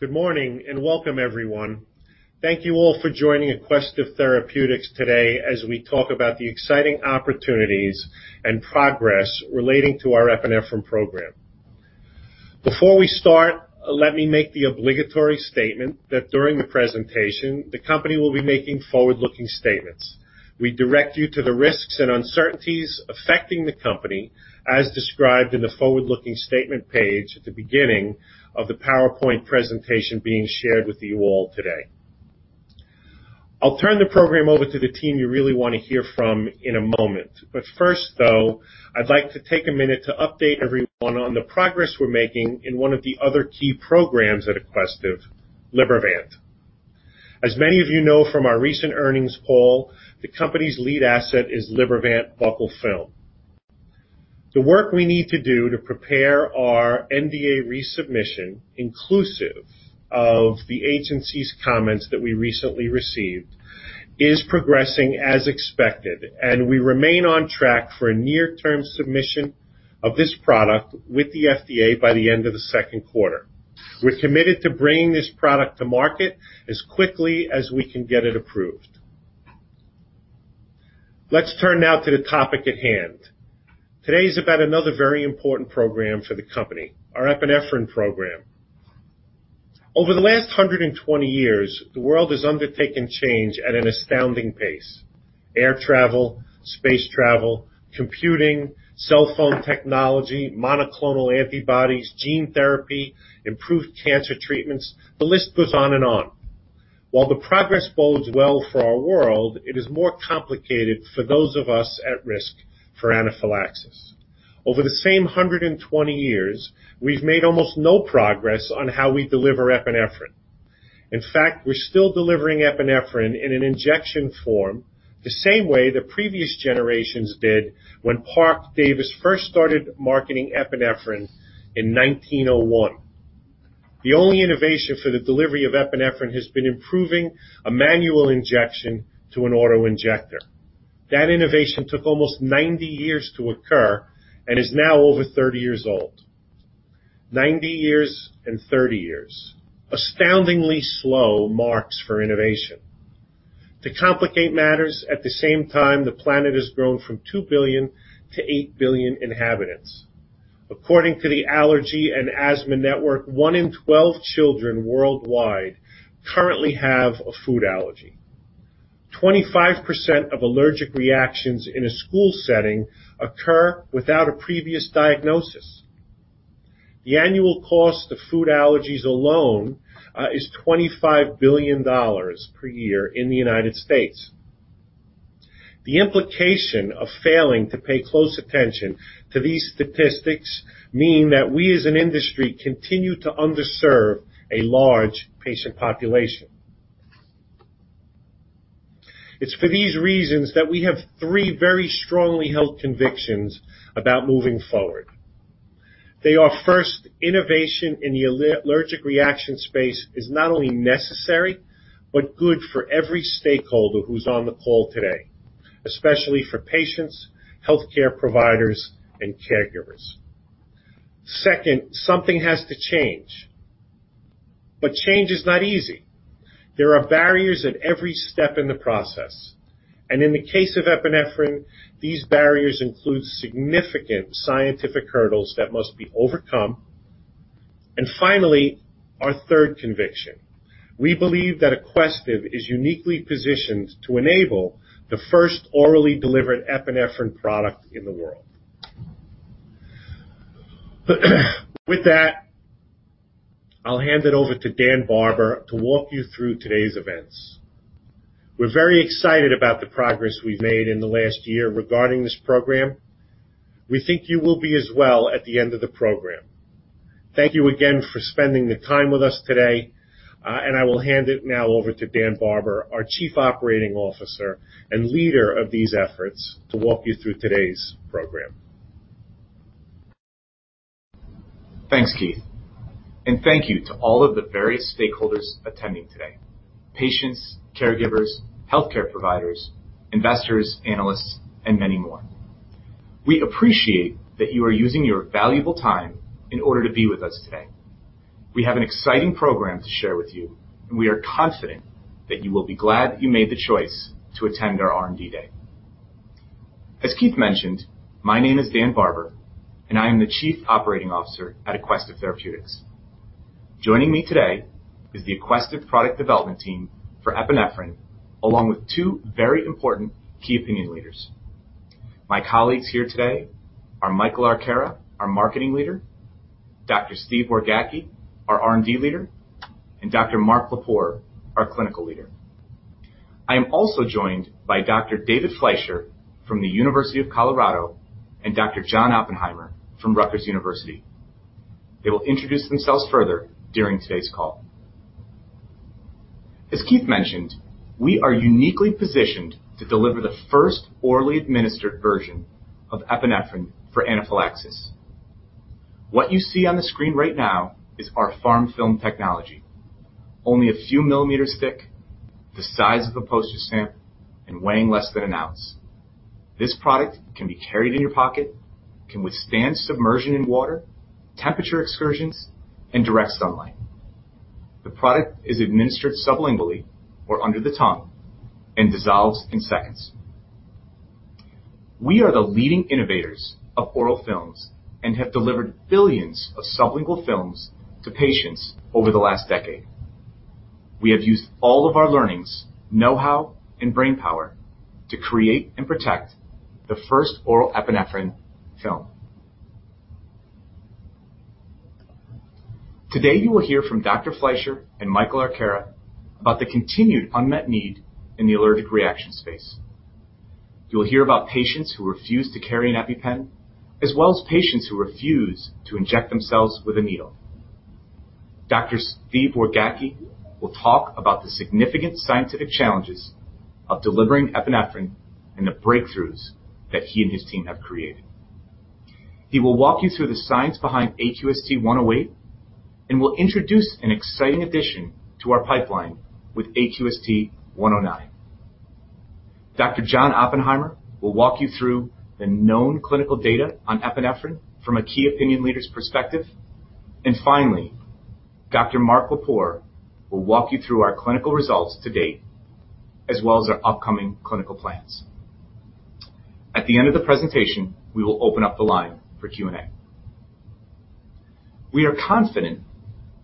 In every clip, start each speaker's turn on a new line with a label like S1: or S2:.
S1: Good morning, and welcome everyone. Thank you all for joining Aquestive Therapeutics today as we talk about the exciting opportunities and progress relating to our epinephrine program. Before we start, let me make the obligatory statement that during the presentation, the company will be making forward-looking statements. We direct you to the risks and uncertainties affecting the company, as described in the forward-looking statement page at the beginning of the PowerPoint presentation being shared with you all today. I'll turn the program over to the team you really want to hear from in a moment. First, though, I'd like to take a minute to update everyone on the progress we're making in one of the other key programs at Aquestive, Libervant. As many of you know from our recent earnings call, the company's lead asset is Libervant buccal film. The work we need to do to prepare our NDA resubmission, inclusive of the agency's comments that we recently received, is progressing as expected. We remain on track for a near-term submission of this product with the FDA by the end of the second quarter. We're committed to bringing this product to market as quickly as we can get it approved. Let's turn now to the topic at hand. Today is about another very important program for the company, our epinephrine program. Over the last 120 years, the world has undertaken change at an astounding pace. Air travel, space travel, computing, cell phone technology, monoclonal antibodies, gene therapy, improved cancer treatments. The list goes on and on. While the progress bodes well for our world, it is more complicated for those of us at risk for anaphylaxis. Over the same 120 years, we've made almost no progress on how we deliver epinephrine. In fact, we're still delivering epinephrine in an injection form, the same way the previous generations did when Parke-Davis first started marketing epinephrine in 1901. The only innovation for the delivery of epinephrine has been improving a manual injection to an auto-injector. That innovation took almost 90 years to occur and is now over 30 years old, 90 years and 30 years. Astoundingly slow marks for innovation. To complicate matters, at the same time, the planet has grown from 2 billion-8 billion inhabitants. According to the Allergy & Asthma Network, one in 12 children worldwide currently have a food allergy. 25% of allergic reactions in a school setting occur without a previous diagnosis. The annual cost of food allergies alone is $25 billion per year in the United States. The implication of failing to pay close attention to these statistics mean that we, as an industry, continue to underserve a large patient population. It's for these reasons that we have three very strongly held convictions about moving forward. They are, first, innovation in the allergic reaction space is not only necessary, but good for every stakeholder who's on the call today, especially for patients, healthcare providers, and caregivers. Second, something has to change. Change is not easy. There are barriers at every step in the process. In the case of epinephrine, these barriers include significant scientific hurdles that must be overcome. Finally, our third conviction. We believe that Aquestive is uniquely positioned to enable the first orally delivered epinephrine product in the world. With that, I'll hand it over to Dan Barber to walk you through today's events. We're very excited about the progress we've made in the last year regarding this program. We think you will be as well at the end of the program. Thank you again for spending the time with us today, and I will hand it now over to Dan Barber, our Chief Operating Officer and leader of these efforts, to walk you through today's program.
S2: Thanks, Keith. Thank you to all of the various stakeholders attending today. Patients, caregivers, healthcare providers, investors, analysts, and many more. We appreciate that you are using your valuable time in order to be with us today. We have an exciting program to share with you, and we are confident that you will be glad you made the choice to attend our R&D Day. As Keith mentioned, my name is Dan Barber, and I am the Chief Operating Officer at Aquestive Therapeutics. Joining me today is the Aquestive product development team for epinephrine, along with two very important key opinion leaders. My colleagues here today are Michael Arcara, our Marketing Leader, Dr. Steve Wargacki, our R&D Leader, and Dr. Mark Lepore, our Clinical Leader. I am also joined by Dr. David Fleischer from the University of Colorado, and Dr. John Oppenheimer from Rutgers University. They will introduce themselves further during today's call. As Keith mentioned, we are uniquely positioned to deliver the first orally administered version of epinephrine for anaphylaxis. What you see on the screen right now is our PharmFilm technology. Only a few millimeters thick, the size of a postage stamp, and weighing less than an ounce, this product can be carried in your pocket, can withstand submersion in water, temperature excursions, and direct sunlight. The product is administered sublingually or under the tongue and dissolves in seconds. We are the leading innovators of oral films and have delivered billions of sublingual films to patients over the last decade. We have used all of our learnings, know-how, and brainpower to create and protect the first oral epinephrine film. Today, you will hear from Dr. Fleischer and Michael Arcara about the continued unmet need in the allergic reaction space. You'll hear about patients who refuse to carry an EpiPen, as well as patients who refuse to inject themselves with a needle. Dr. Steve Wargacki will talk about the significant scientific challenges of delivering epinephrine and the breakthroughs that he and his team have created. He will walk you through the science behind AQST-108 and will introduce an exciting addition to our pipeline with AQST-109. Dr. John Oppenheimer will walk you through the known clinical data on epinephrine from a key opinion leader's perspective. Finally, Dr. Mark Lepore will walk you through our clinical results to date, as well as our upcoming clinical plans. At the end of the presentation, we will open up the line for Q&A. We are confident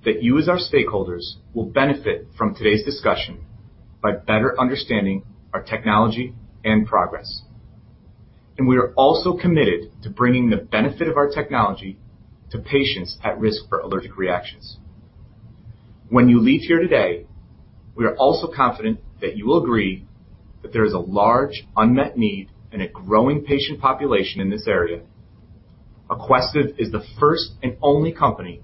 S2: that you as our stakeholders will benefit from today's discussion by better understanding our technology and progress. We are also committed to bringing the benefit of our technology to patients at risk for allergic reactions. When you leave here today, we are also confident that you will agree that there is a large unmet need and a growing patient population in this area. Aquestive is the first and only company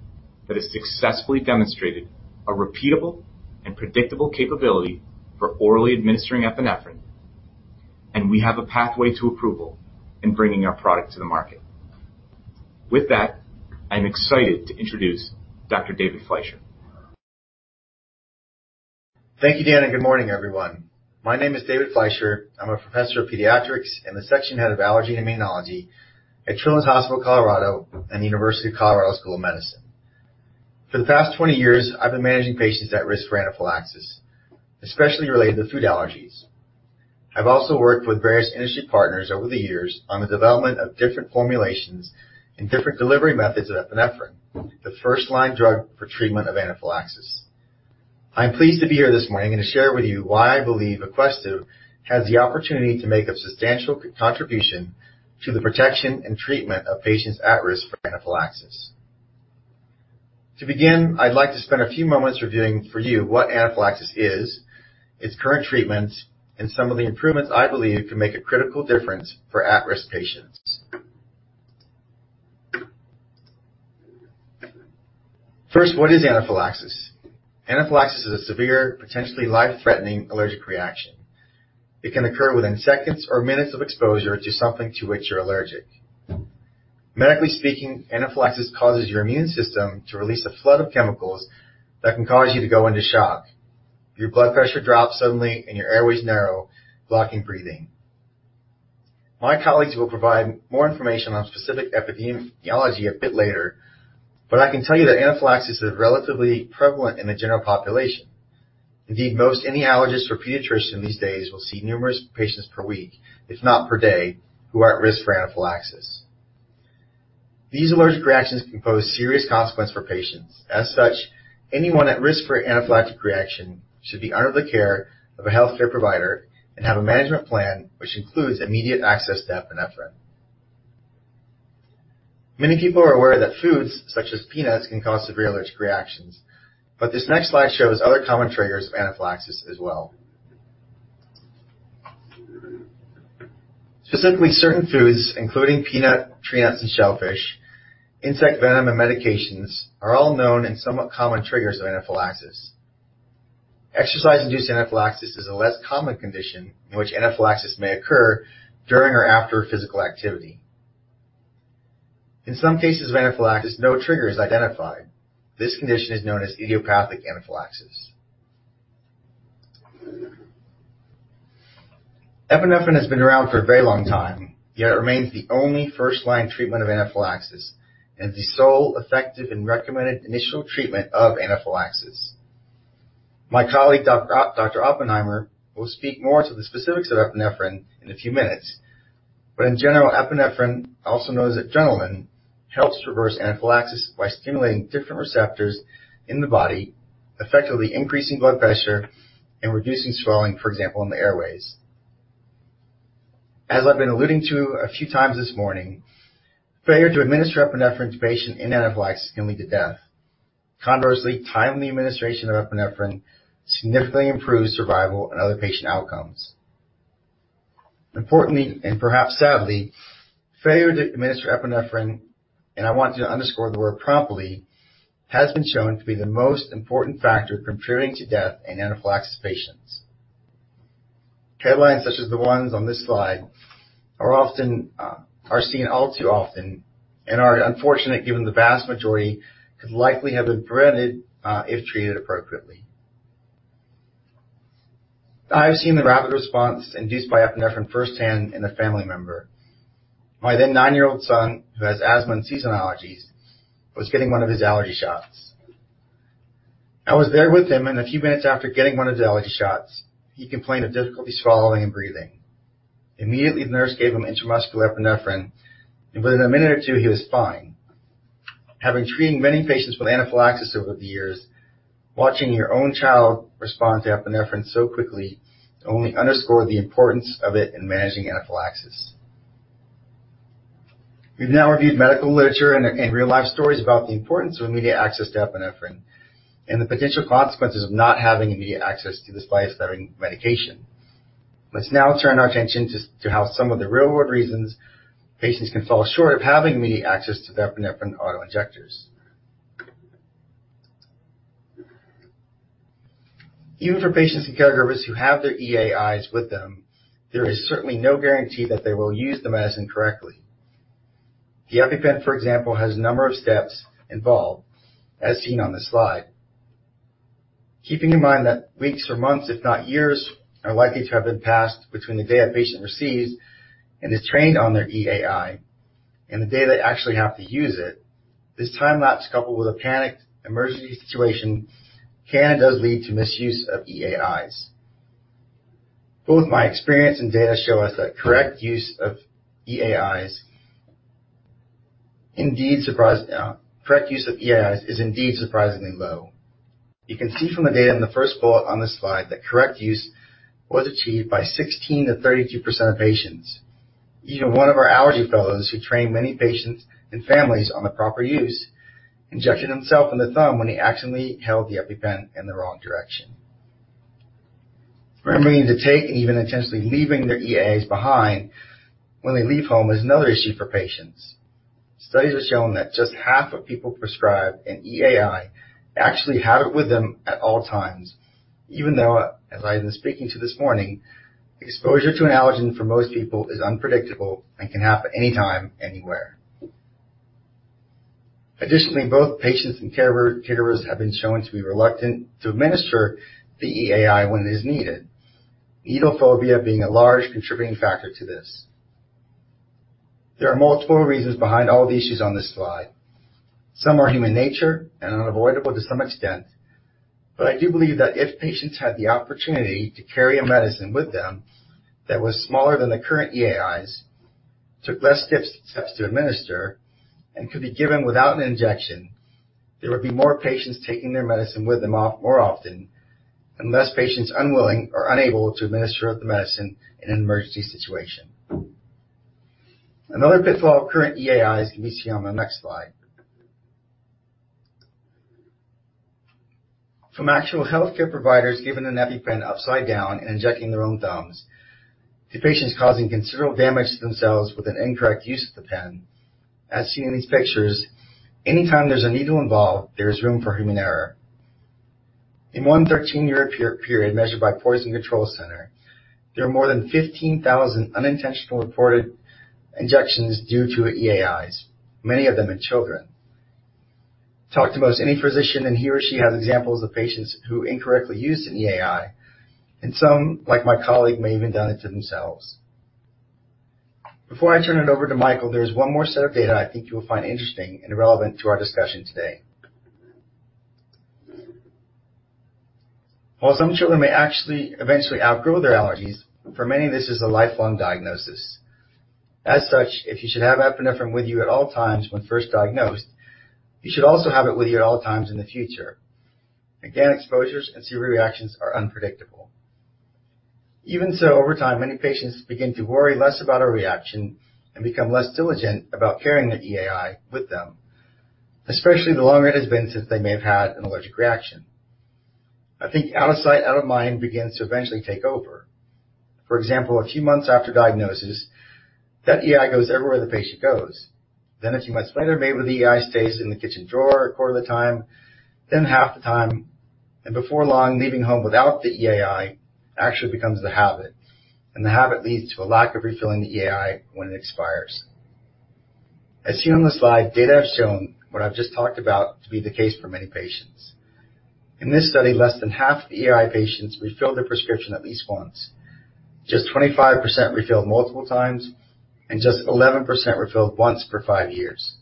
S2: that has successfully demonstrated a repeatable and predictable capability for orally administering epinephrine, and we have a pathway to approval in bringing our product to the market. With that, I'm excited to introduce Dr. David Fleischer.
S3: Thank you, Dan, and good morning, everyone. My name is David Fleischer. I'm a professor of pediatrics and the section head of allergy and immunology at Children's Hospital Colorado and University of Colorado School of Medicine. For the past 20 years, I've been managing patients at risk for anaphylaxis, especially related to food allergies. I've also worked with various industry partners over the years on the development of different formulations and different delivery methods of epinephrine, the first-line drug for treatment of anaphylaxis. I'm pleased to be here this morning and to share with you why I believe Aquestive has the opportunity to make a substantial contribution to the protection and treatment of patients at risk for anaphylaxis. To begin, I'd like to spend a few moments reviewing for you what anaphylaxis is, its current treatments, and some of the improvements I believe could make a critical difference for at-risk patients. First, what is anaphylaxis? Anaphylaxis is a severe, potentially life-threatening allergic reaction. It can occur within seconds or minutes of exposure to something to which you're allergic. Medically speaking, anaphylaxis causes your immune system to release a flood of chemicals that can cause you to go into shock. Your blood pressure drops suddenly and your airways narrow, blocking breathing. My colleagues will provide more information on specific epidemiology a bit later, but I can tell you that anaphylaxis is relatively prevalent in the general population. Indeed, most any allergist or pediatrician these days will see numerous patients per week, if not per day, who are at risk for anaphylaxis. These allergic reactions can pose serious consequences for patients. As such, anyone at risk for an anaphylactic reaction should be under the care of a healthcare provider and have a management plan, which includes immediate access to epinephrine. Many people are aware that foods such as peanuts can cause severe allergic reactions, but this next slide shows other common triggers of anaphylaxis as well. Specifically, certain foods, including peanut, tree nuts, and shellfish, insect venom, and medications, are all known and somewhat common triggers of anaphylaxis. Exercise-induced anaphylaxis is a less common condition in which anaphylaxis may occur during or after physical activity. In some cases of anaphylaxis, no trigger is identified. This condition is known as idiopathic anaphylaxis. Epinephrine has been around for a very long time, yet it remains the only first-line treatment of anaphylaxis and the sole effective and recommended initial treatment of anaphylaxis. My colleague, Dr. Oppenheimer, will speak more to the specifics of epinephrine in a few minutes. But in general, epinephrine, also known as adrenaline, helps reverse anaphylaxis by stimulating different receptors in the body, effectively increasing blood pressure and reducing swelling, for example, in the airways. As I've been alluding to a few times this morning, failure to administer epinephrine to patients in anaphylaxis can lead to death. Conversely, timely administration of epinephrine significantly improves survival and other patient outcomes. Importantly, and perhaps sadly, failure to administer epinephrine, and I want to underscore the word promptly, has been shown to be the most important factor contributing to death in anaphylaxis patients. Headlines such as the ones on this slide are seen all too often and are unfortunate, given the vast majority could likely have been prevented if treated appropriately. I have seen the rapid response induced by epinephrine firsthand in a family member. My then nine-year-old son, who has asthma and seasonal allergies, was getting one of his allergy shots. I was there with him, and a few minutes after getting one of the allergy shots, he complained of difficulty swallowing and breathing. Immediately, the nurse gave him intramuscular epinephrine, and within a minute or two, he was fine. Having treated many patients with anaphylaxis over the years, watching your own child respond to epinephrine so quickly only underscored the importance of it in managing anaphylaxis. We've now reviewed medical literature and real-life stories about the importance of immediate access to epinephrine and the potential consequences of not having immediate access to this life-saving medication. Let's now turn our attention to how some of the real-world reasons patients can fall short of having immediate access to their epinephrine auto-injectors. Even for patients and caregivers who have their EAI with them, there is certainly no guarantee that they will use the medicine correctly. The EpiPen, for example, has a number of steps involved as seen on this slide. Keeping in mind that weeks or months, if not years, are likely to have been passed between the day a patient receives and is trained on their EAI and the day they actually have to use it, this time lapse, coupled with a panicked emergency situation, can and does lead to misuse of EAI. Both my experience and data show us that correct use of EAI is indeed surprisingly low. You can see from the data in the first bullet on this slide that correct use was achieved by 16%-32% of patients. Even one of our allergy fellows who trained many patients and families on the proper use, injected himself in the thumb when he accidentally held the EpiPen in the wrong direction. Remembering to take and even intentionally leaving their EAIs behind when they leave home is another issue for patients. Studies have shown that just half of people prescribed an EAI actually have it with them at all times, even though, as I've been speaking to this morning, exposure to an allergen for most people is unpredictable and can happen anytime, anywhere. Additionally, both patients and caregivers have been shown to be reluctant to administer the EAI when it is needed, needle phobia being a large contributing factor to this. There are multiple reasons behind all the issues on this slide. Some are human nature and unavoidable to some extent, but I do believe that if patients had the opportunity to carry a medicine with them that was smaller than the current EAIs, took less steps to administer, and could be given without an injection, there would be more patients taking their medicine with them more often and less patients unwilling or unable to administer the medicine in an emergency situation. Another pitfall of current EAIs can be seen on the next slide. From actual healthcare providers giving an EpiPen upside down and injecting their own thumbs to patients causing considerable damage to themselves with an incorrect use of the pen, as seen in these pictures, anytime there's a needle involved, there is room for human error. In one 13-year period measured by Poison Control Center, there were more than 15,000 unintentional reported injections due to EAIs, many of them in children. Talk to most any physician, and he or she has examples of patients who incorrectly used an EAI, and some, like my colleague, may even done it to themselves. Before I turn it over to Michael, there is one more set of data I think you will find interesting and relevant to our discussion today. While some children may actually eventually outgrow their allergies, for many, this is a lifelong diagnosis. As such, if you should have epinephrine with you at all times when first diagnosed, you should also have it with you at all times in the future. Again, exposures and severe reactions are unpredictable. Even so, over time, many patients begin to worry less about a reaction and become less diligent about carrying an EAI with them, especially the longer it has been since they may have had an allergic reaction. I think out of sight, out of mind begins to eventually take over. For example, a few months after diagnosis, that EAI goes everywhere the patient goes. Then a few months later, maybe the EAI stays in the kitchen drawer a quarter of the time, then half the time, and before long, leaving home without the EAI actually becomes the habit, and the habit leads to a lack of refilling the EAI when it expires. As seen on the slide, data have shown what I've just talked about to be the case for many patients. In this study, less than half of the EAI patients refilled their prescription at least once. Just 25% refilled multiple times, and just 11% refilled once for five years.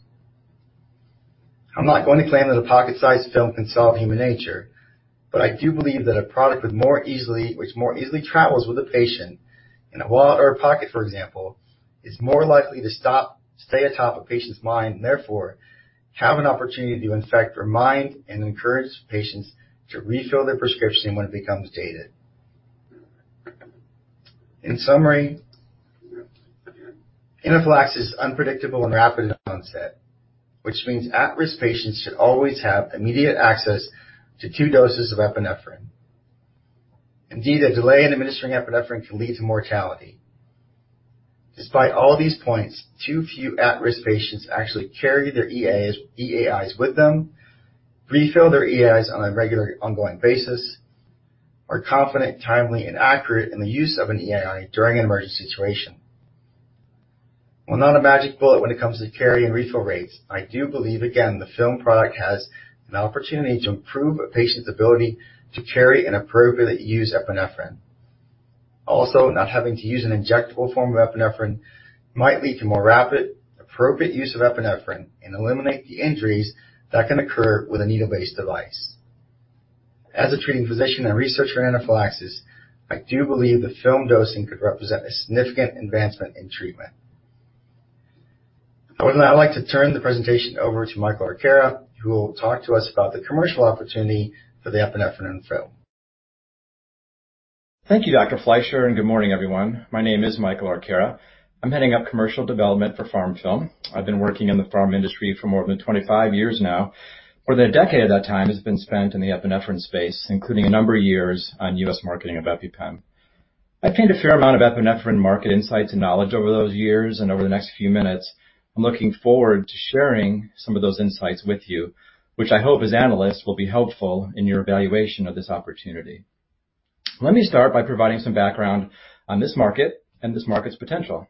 S3: I'm not going to claim that a pocket-sized film can solve human nature, but I do believe that a product which more easily travels with a patient in a wallet or a pocket, for example, is more likely to stay atop a patient's mind, and therefore, have an opportunity to in fact remind and encourage patients to refill their prescription when it becomes dated. In summary, anaphylaxis is unpredictable and rapid in onset, which means at-risk patients should always have immediate access to two doses of epinephrine. Indeed, a delay in administering epinephrine can lead to mortality. Despite all these points, too few at-risk patients actually carry their EAIs with them, refill their EAIs on a regular, ongoing basis, are confident, timely, and accurate in the use of an EAI during an emergency situation. Well, not a magic bullet when it comes to carry and refill rates. I do believe, again, the film product has an opportunity to improve a patient's ability to carry and appropriately use epinephrine. Not having to use an injectable form of epinephrine might lead to more rapid, appropriate use of epinephrine and eliminate the injuries that can occur with a needle-based device. As a treating physician and researcher in anaphylaxis, I do believe the film dosing could represent a significant advancement in treatment. I would now like to turn the presentation over to Michael Arcara, who will talk to us about the commercial opportunity for the epinephrine film.
S4: Thank you, Dr. Fleischer, and good morning, everyone. My name is Michael Arcara. I'm heading up commercial development for PharmFilm. I've been working in the pharma industry for more than 25 years now. More than a decade of that time has been spent in the epinephrine space, including a number of years on U.S. marketing of EpiPen. I gained a fair amount of epinephrine market insights and knowledge over those years, and over the next few minutes, I'm looking forward to sharing some of those insights with you, which I hope as analysts will be helpful in your evaluation of this opportunity. Let me start by providing some background on this market and this market's potential.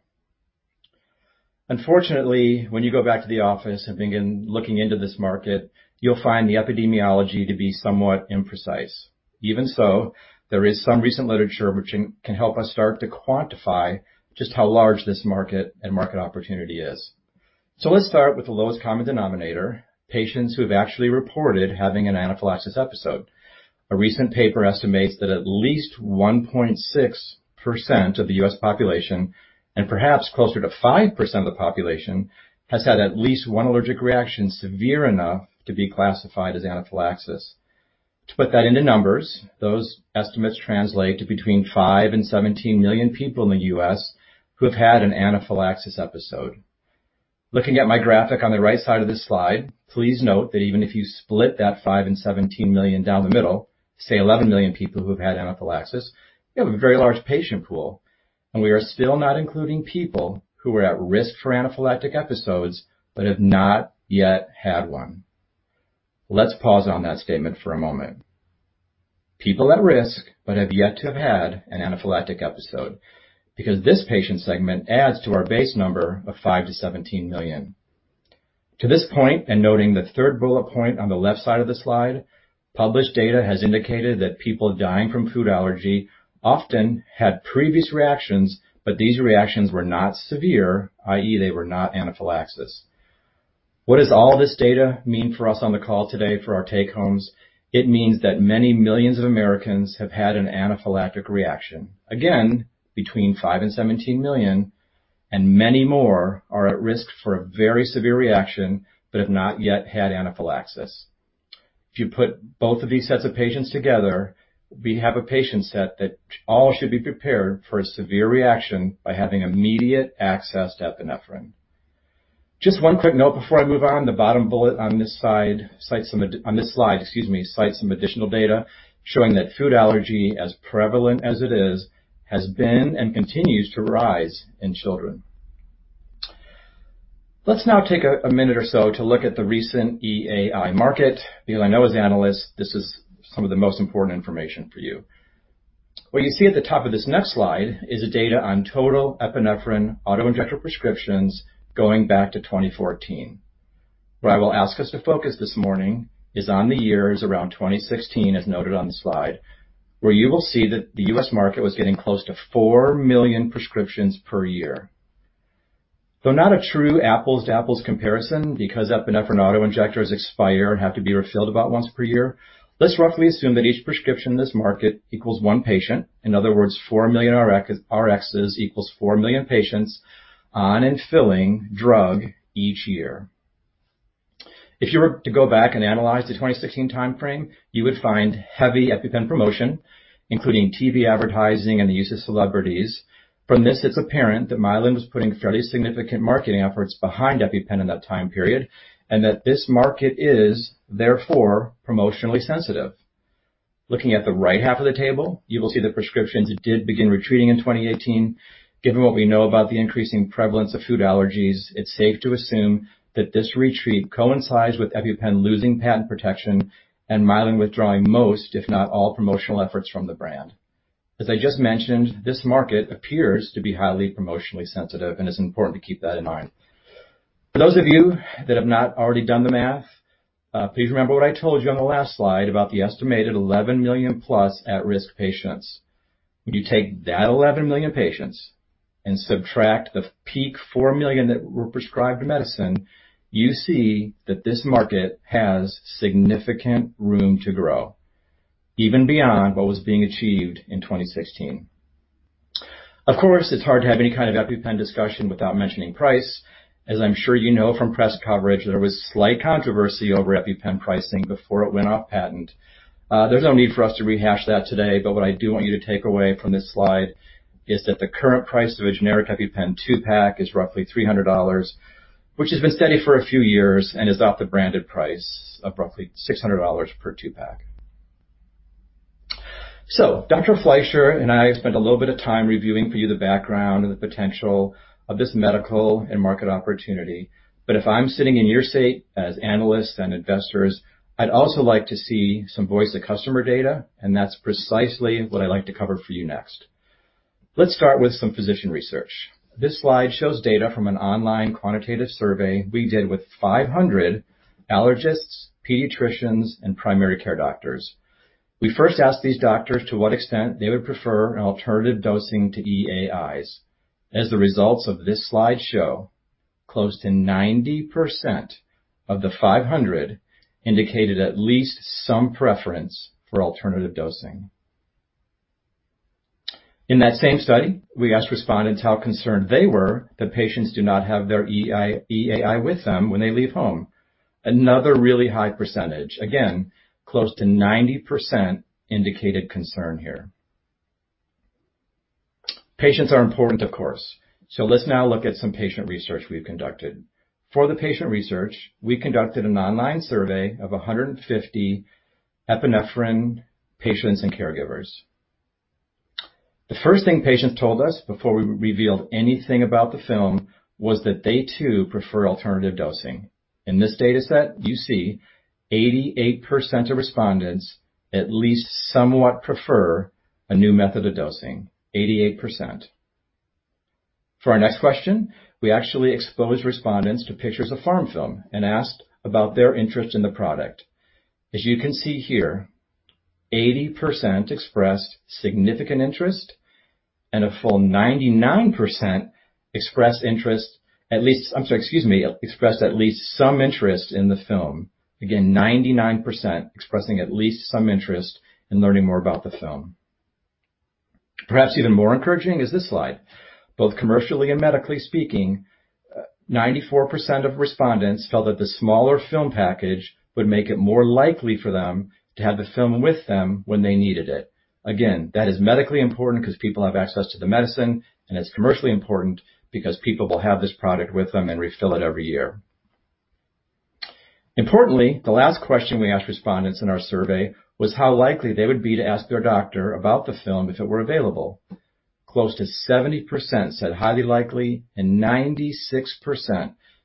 S4: Unfortunately, when you go back to the office and begin looking into this market, you'll find the epidemiology to be somewhat imprecise. Even so, there is some recent literature which can help us start to quantify just how large this market and market opportunity is. Let's start with the lowest common denominator, patients who have actually reported having an anaphylaxis episode. A recent paper estimates that at least 1.6% of the U.S. population, and perhaps closer to 5% of the population, has had at least one allergic reaction severe enough to be classified as anaphylaxis. To put that into numbers, those estimates translate to between five and 17 million people in the U.S. who have had an anaphylaxis episode. Looking at my graphic on the right side of this slide, please note that even if you split that five and 17 million down the middle, say 11 million people who have had anaphylaxis, you have a very large patient pool, and we are still not including people who are at risk for anaphylactic episodes but have not yet had one. Let's pause on that statement for a moment. People at risk but have yet to have had an anaphylactic episode. Because this patient segment adds to our base number of five to 17 million. To this point, and noting the third bullet point on the left side of the slide, published data has indicated that people dying from food allergy often had previous reactions, but these reactions were not severe, i.e., they were not anaphylaxis. What does all this data mean for us on the call today for our take-homes? It means that many millions of Americans have had an anaphylactic reaction, again, between five and 17 million, and many more are at risk for a very severe reaction, but have not yet had anaphylaxis. If you put both of these sets of patients together, we have a patient set that all should be prepared for a severe reaction by having immediate access to epinephrine. Just one quick note before I move on. The bottom bullet on this slide cites some additional data showing that food allergy, as prevalent as it is, has been and continues to rise in children. Let's now take one minute or so to look at the recent EAI market, because I know as analysts, this is some of the most important information for you. What you see at the top of this next slide is the data on total epinephrine auto-injector prescriptions going back to 2014. Where I will ask us to focus this morning is on the years around 2016, as noted on the slide, where you will see that the U.S. market was getting close to 4 million prescriptions per year. Though not a true apples to apples comparison, because epinephrine auto-injectors expire and have to be refilled about once per year, let's roughly assume that each prescription in this market equals one patient. In other words, 4 million RXs equals 4 million patients on and filling drug each year. If you were to go back and analyze the 2016 timeframe, you would find heavy EpiPen promotion, including TV advertising and the use of celebrities. From this, it's apparent that Mylan was putting fairly significant marketing efforts behind EpiPen in that time period, and that this market is, therefore, promotionally sensitive. Looking at the right half of the table, you will see that prescriptions did begin retreating in 2018. Given what we know about the increasing prevalence of food allergies, it's safe to assume that this retreat coincides with EpiPen losing patent protection and Mylan withdrawing most, if not all, promotional efforts from the brand. As I just mentioned, this market appears to be highly promotionally sensitive, and it's important to keep that in mind. For those of you that have not already done the math, please remember what I told you on the last slide about the estimated 11 million-plus at-risk patients. When you take that 11 million patients and subtract the peak 4 million that were prescribed the medicine, you see that this market has significant room to grow, even beyond what was being achieved in 2016. Of course, it's hard to have any kind of EpiPen discussion without mentioning price. As I'm sure you know from press coverage, there was slight controversy over EpiPen pricing before it went off patent. What I do want you to take away from this slide is that the current price of a generic EpiPen two-pack is roughly $300, which has been steady for a few years and is about the branded price of roughly $600 per two-pack. Dr. Fleischer and I have spent a little bit of time reviewing for you the background and the potential of this medical and market opportunity. If I'm sitting in your seat as analysts and investors, I'd also like to see some voice of customer data, and that's precisely what I'd like to cover for you next. Let's start with some physician research. This slide shows data from an online quantitative survey we did with 500 allergists, pediatricians, and primary care doctors. We first asked these doctors to what extent they would prefer an alternative dosing to EAIs. As the results of this slide show, close to 90% of the 500 indicated at least some preference for alternative dosing. In that same study, we asked respondents how concerned they were that patients do not have their EAI with them when they leave home. Another really high percentage, again, close to 90% indicated concern here. Patients are important, of course. Let's now look at some patient research we've conducted. For the patient research, we conducted an online survey of 150 epinephrine patients and caregivers. The first thing patients told us before we revealed anything about the film was that they too prefer alternative dosing. In this data set, you see 88% of respondents at least somewhat prefer a new method of dosing, 88%. For our next question, we actually exposed respondents to pictures of PharmFilm and asked about their interest in the product. As you can see here, 80% expressed significant interest and a full 99% expressed at least some interest in the film. Again, 99% expressing at least some interest in learning more about the film. Perhaps even more encouraging is this slide. Both commercially and medically speaking, 94% of respondents felt that the smaller film package would make it more likely for them to have the film with them when they needed it. Again, that is medically important because people have access to the medicine, and it's commercially important because people will have this product with them and refill it every year. Importantly, the last question we asked respondents in our survey was how likely they would be to ask their doctor about the film if it were available. Close to 70% said highly likely, and 96%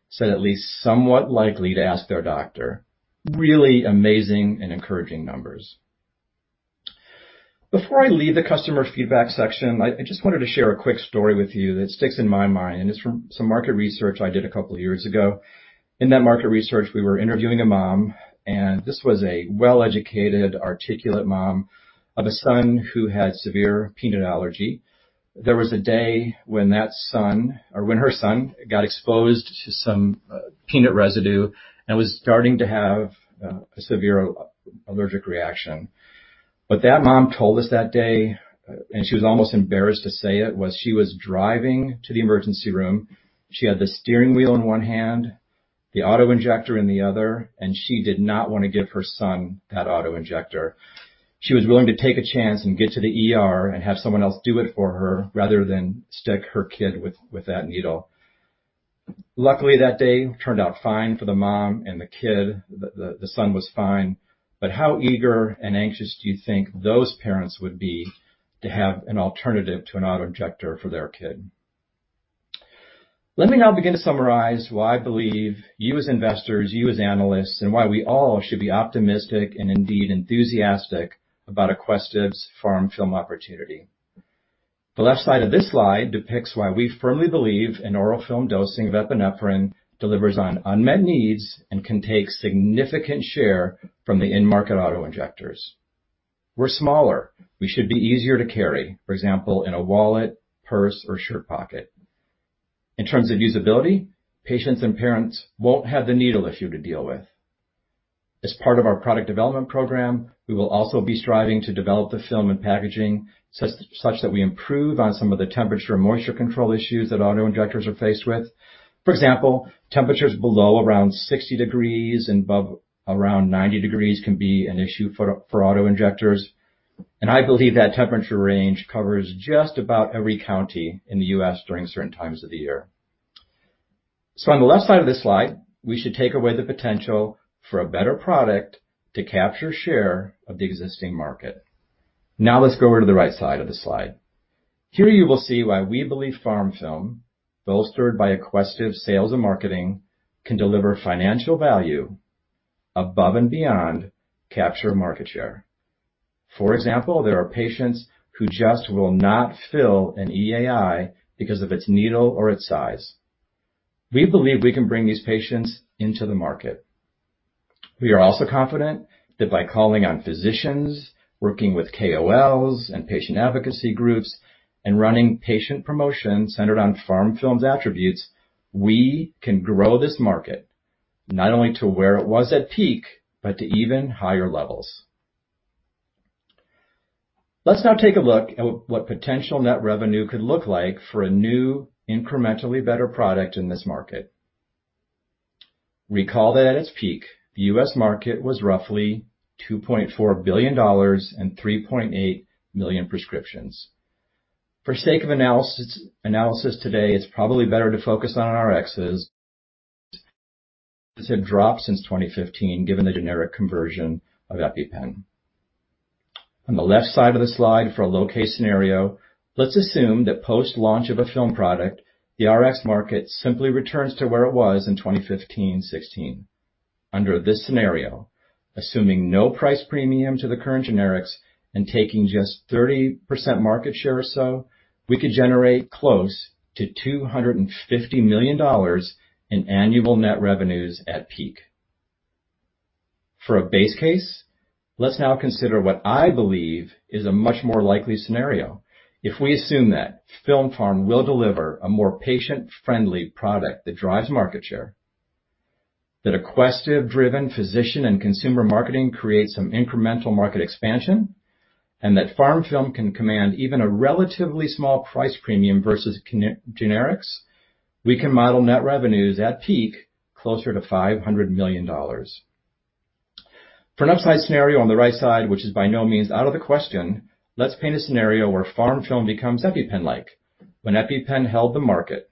S4: said at least somewhat likely to ask their doctor. Really amazing and encouraging numbers. Before I leave the customer feedback section, I just wanted to share a quick story with you that sticks in my mind. It's from some market research I did a couple of years ago. In that market research, we were interviewing a mom, and this was a well-educated, articulate mom of a son who had severe peanut allergy. There was a day when that son, or when her son, got exposed to some peanut residue and was starting to have a severe allergic reaction. What that mom told us that day, and she was almost embarrassed to say it, was she was driving to the emergency room. She had the steering wheel in one hand, the auto-injector in the other, and she did not want to give her son that auto-injector. She was willing to take a chance and get to the ER and have someone else do it for her rather than stick her kid with that needle. Luckily, that day turned out fine for the mom and the kid. The son was fine. How eager and anxious do you think those parents would be to have an alternative to an auto-injector for their kid? Let me now begin to summarize why I believe you as investors, you as analysts, and why we all should be optimistic and indeed enthusiastic about Aquestive's PharmFilm opportunity. The left side of this slide depicts why we firmly believe an oral film dosing of epinephrine delivers on unmet needs and can take significant share from the in-market auto-injectors. We're smaller. We should be easier to carry, for example, in a wallet, purse, or shirt pocket. In terms of usability, patients and parents won't have the needle issue to deal with. As part of our product development program, we will also be striving to develop the film and packaging such that we improve on some of the temperature and moisture control issues that auto-injectors are faced with. For example, temperatures below around 60 degrees and above around 90 degrees can be an issue for auto-injectors, and I believe that temperature range covers just about every county in the U.S. during certain times of the year. On the left side of this slide, we should take away the potential for a better product to capture share of the existing market. Now let's go over to the right side of the slide. Here you will see why we believe PharmFilm, bolstered by Aquestive sales and marketing, can deliver financial value above and beyond capture of market share. For example, there are patients who just will not fill an EAI because of its needle or its size. We believe we can bring these patients into the market. We are also confident that by calling on physicians, working with KOLs and patient advocacy groups, and running patient promotions centered on PharmFilm's attributes, we can grow this market not only to where it was at peak, but to even higher levels. Let's now take a look at what potential net revenue could look like for a new, incrementally better product in this market. Recall that at its peak, the U.S. market was roughly $2.4 billion and 3.8 million prescriptions. For sake of analysis today, it's probably better to focus on our Rx's. These have dropped since 2015 given the generic conversion of EpiPen. On the left side of the slide for a low-case scenario, let's assume that post-launch of a film product, the Rx market simply returns to where it was in 2015 and 2016. Under this scenario, assuming no price premium to the current generics and taking just 30% market share or so, we could generate close to $250 million in annual net revenues at peak. For a base case, let's now consider what I believe is a much more likely scenario. If we assume that film form will deliver a more patient-friendly product that drives market share, that Aquestive-driven physician and consumer marketing creates some incremental market expansion, and that PharmFilm can command even a relatively small price premium versus generics, we can model net revenues at peak closer to $500 million. For an upside scenario on the right side, which is by no means out of the question, let's paint a scenario where PharmFilm becomes EpiPen-like. When EpiPen held the market.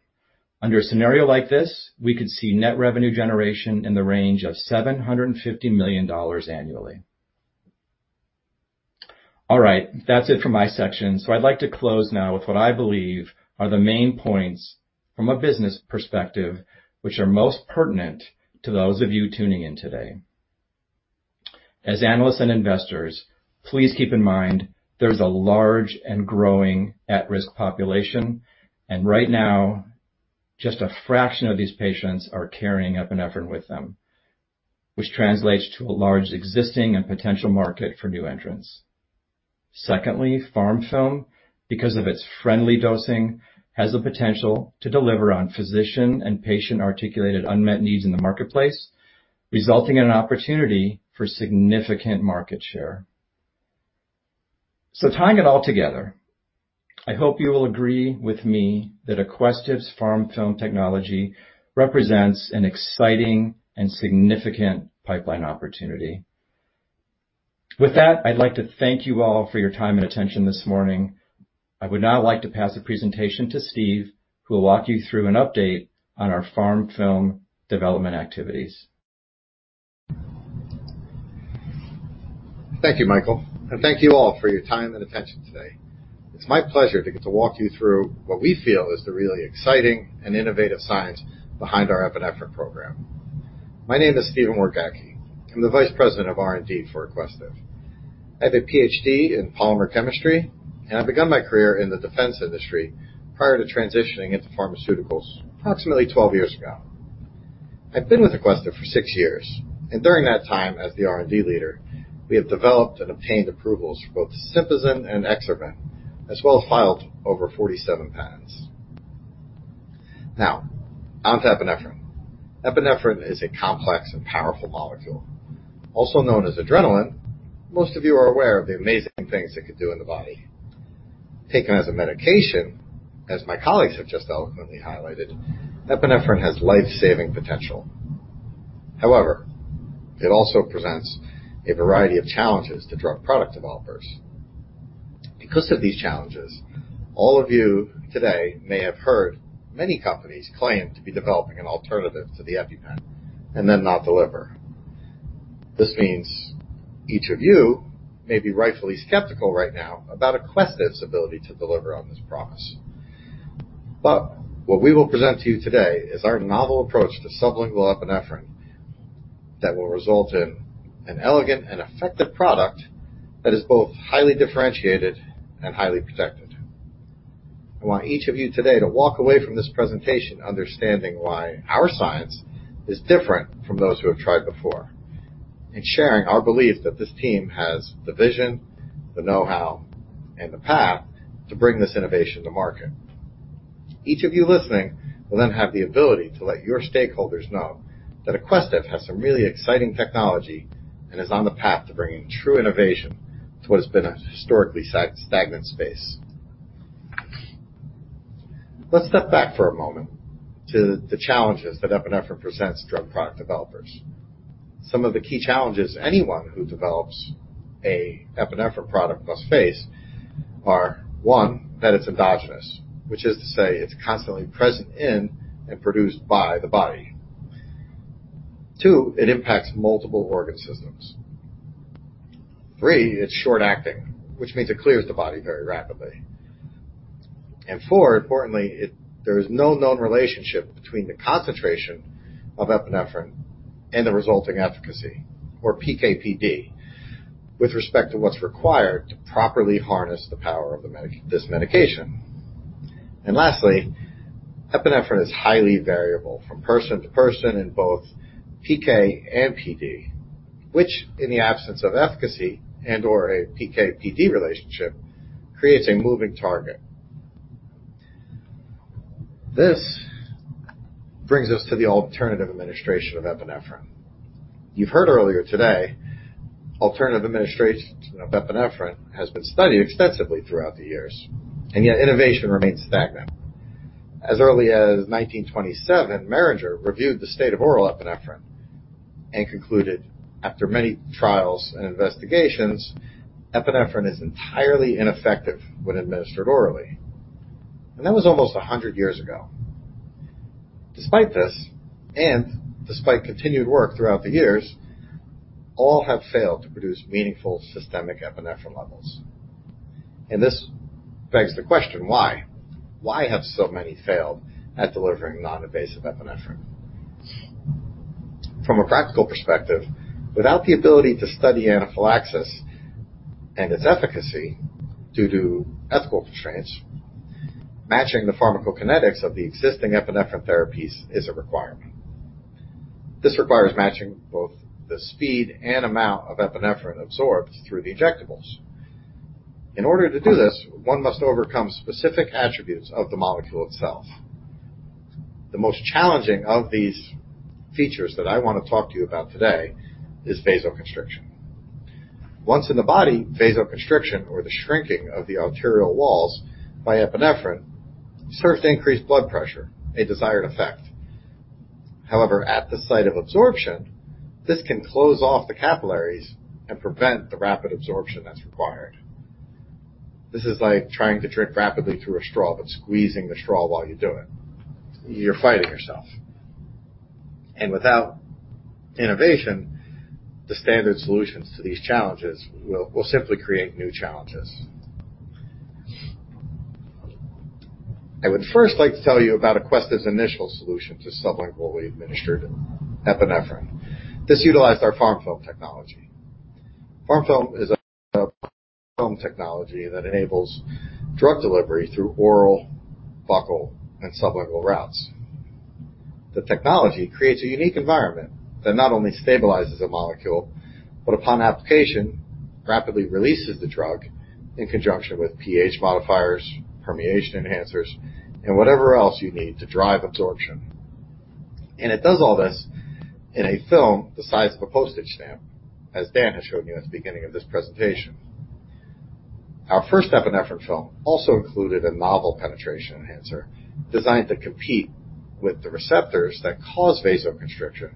S4: Under a scenario like this, we could see net revenue generation in the range of $750 million annually. All right. That's it for my section. I'd like to close now with what I believe are the main points from a business perspective, which are most pertinent to those of you tuning in today. As analysts and investors, please keep in mind there's a large and growing at-risk population, and right now, just a fraction of these patients are carrying epinephrine with them, which translates to a large existing and potential market for new entrants. Secondly, PharmFilm, because of its friendly dosing, has the potential to deliver on physician and patient-articulated unmet needs in the marketplace, resulting in an opportunity for significant market share. Tying it all together, I hope you will agree with me that Aquestive's PharmFilm technology represents an exciting and significant pipeline opportunity. With that, I'd like to thank you all for your time and attention this morning. I would now like to pass the presentation to Steve, who will walk you through an update on our PharmFilm development activities.
S5: Thank you, Michael. Thank you all for your time and attention today. It's my pleasure to get to walk you through what we feel is the really exciting and innovative science behind our epinephrine program. My name is Stephen Wargacki. I'm the Vice President of R&D for Aquestive Therapeutics. I have a PhD in polymer chemistry. I began my career in the defense industry prior to transitioning into pharmaceuticals approximately 12 years ago. I've been with Aquestive Therapeutics for six years. During that time as the R&D leader, we have developed and obtained approvals for both SYMPAZAN and EXSERVAN, as well as filed over 47 patents. On to epinephrine. Epinephrine is a complex and powerful molecule. Also known as adrenaline, most of you are aware of the amazing things it could do in the body. Taken as a medication, as my colleagues have just eloquently highlighted, epinephrine has life-saving potential. It also presents a variety of challenges to drug product developers. Because of these challenges, all of you today may have heard many companies claim to be developing an alternative to the EpiPen and then not deliver. This means each of you may be rightfully skeptical right now about Aquestive's ability to deliver on this promise. What we will present to you today is our novel approach to sublingual epinephrine that will result in an elegant and effective product that is both highly differentiated and highly protected. I want each of you today to walk away from this presentation understanding why our science is different from those who have tried before, and sharing our belief that this team has the vision, the know-how, and the path to bring this innovation to market. Each of you listening will then have the ability to let your stakeholders know that Aquestive has some really exciting technology and is on the path to bringing true innovation to what has been a historically stagnant space. Let's step back for a moment to the challenges that epinephrine presents drug product developers. Some of the key challenges anyone who develops an epinephrine product must face are one, that it's endogenous, which is to say it's constantly present in and produced by the body. Two, it impacts multiple organ systems. Three, it's short-acting, which means it clears the body very rapidly. Four, importantly, there is no known relationship between the concentration of epinephrine and the resulting efficacy, or PK/PD, with respect to what's required to properly harness the power of this medication. Lastly, epinephrine is highly variable from person to person in both PK and PD, which, in the absence of efficacy and/or a PK/PD relationship, creates a moving target. This brings us to the alternative administration of epinephrine. You've heard earlier today, alternative administration of epinephrine has been studied extensively throughout the years, and yet innovation remains stagnant. As early as 1927, Menninger reviewed the state of oral epinephrine and concluded after many trials and investigations, epinephrine is entirely ineffective when administered orally. That was almost 100 years ago. Despite this, and despite continued work throughout the years, all have failed to produce meaningful systemic epinephrine levels. This begs the question, why? Why have so many failed at delivering non-invasive epinephrine? From a practical perspective, without the ability to study anaphylaxis and its efficacy due to ethical constraints, matching the pharmacokinetics of the existing epinephrine therapies is a requirement. This requires matching both the speed and amount of epinephrine absorbed through the injectables. In order to do this, one must overcome specific attributes of the molecule itself. The most challenging of these features that I want to talk to you about today is vasoconstriction. Once in the body, vasoconstriction, or the shrinking of the arterial walls by epinephrine, serves to increase blood pressure, a desired effect. However, at the site of absorption, this can close off the capillaries and prevent the rapid absorption that's required. This is like trying to drink rapidly through a straw but squeezing the straw while you do it. You're fighting yourself. Without innovation, the standard solutions to these challenges will simply create new challenges. I would first like to tell you about Aquestive's initial solution to sublingually administered epinephrine. This utilized our PharmFilm technology. PharmFilm is a film technology that enables drug delivery through oral, buccal, and sublingual routes. The technology creates a unique environment that not only stabilizes a molecule, but upon application, rapidly releases the drug in conjunction with pH modifiers, permeation enhancers, and whatever else you need to drive absorption. It does all this in a film the size of a postage stamp, as Dan has shown you at the beginning of this presentation. Our first epinephrine film also included a novel penetration enhancer designed to compete with the receptors that cause vasoconstriction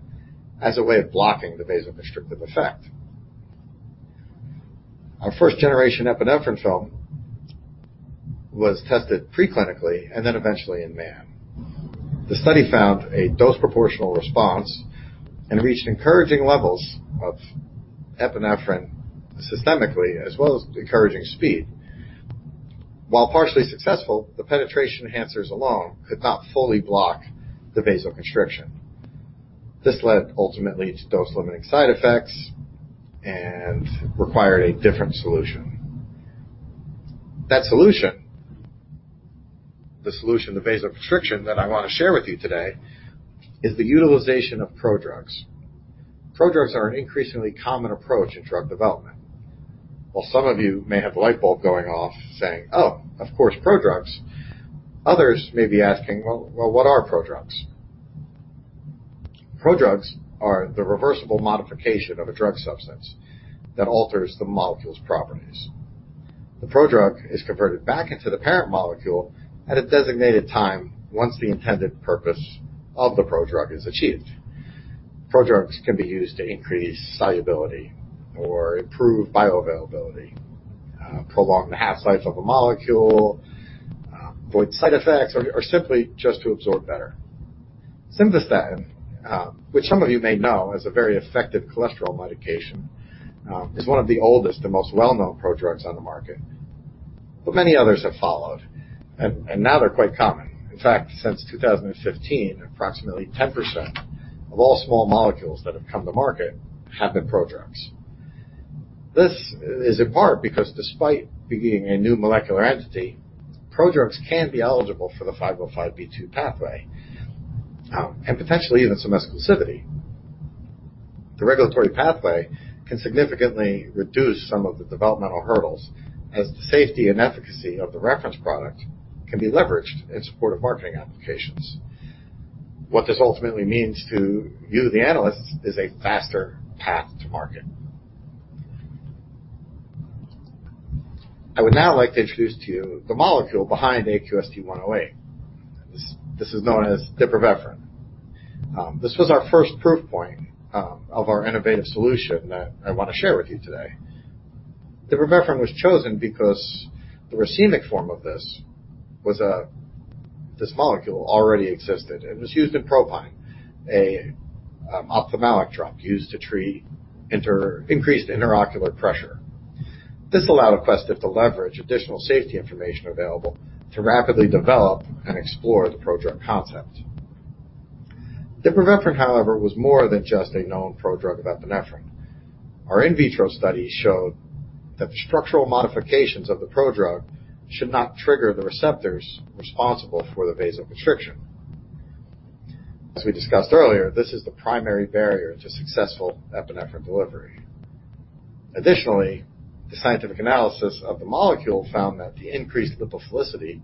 S5: as a way of blocking the vasoconstrictive effect. Our first-generation epinephrine film was tested preclinically and then eventually in man. The study found a dose proportional response and reached encouraging levels of epinephrine systemically, as well as encouraging speed. While partially successful, the penetration enhancers alone could not fully block the vasoconstriction. This led ultimately to dose-limiting side effects and required a different solution. That solution, the solution to vasoconstriction that I want to share with you today, is the utilization of prodrugs. Prodrugs are an increasingly common approach in drug development. While some of you may have the light bulb going off saying, "Oh, of course, prodrugs," others may be asking, "Well, what are prodrugs?" Prodrugs are the reversible modification of a drug substance that alters the molecule's properties. The prodrug is converted back into the parent molecule at a designated time once the intended purpose of the prodrug is achieved. Prodrugs can be used to increase solubility or improve bioavailability, prolong the half-life of a molecule, avoid side effects, or simply just to absorb better. Simvastatin, which some of you may know as a very effective cholesterol medication, is one of the oldest and most well-known prodrugs on the market. Many others have followed, and now they're quite common. In fact, since 2015, approximately 10% of all small molecules that have come to market have been prodrugs. This is in part because despite being a new molecular entity, prodrugs can be eligible for the 505(b)(2) pathway, and potentially even some exclusivity. The regulatory pathway can significantly reduce some of the developmental hurdles as the safety and efficacy of the reference product can be leveraged in support of marketing applications. What this ultimately means to you, the analysts, is a faster path to market. I would now like to introduce to you the molecule behind AQST-108. This is known as dipivefrin. This was our first proof point of our innovative solution that I want to share with you today. Dipivefrin was chosen because the racemic form of this molecule already existed, and it was used in Propine, an ophthalmic drop used to treat increased intraocular pressure. This allowed Aquestive to leverage additional safety information available to rapidly develop and explore the prodrug concept. Dipivefrin, however, was more than just a known prodrug of epinephrine. Our in vitro studies showed that the structural modifications of the prodrug should not trigger the receptors responsible for the vasoconstriction. As we discussed earlier, this is the primary barrier to successful epinephrine delivery. Additionally, the scientific analysis of the molecule found that the increased lipophilicity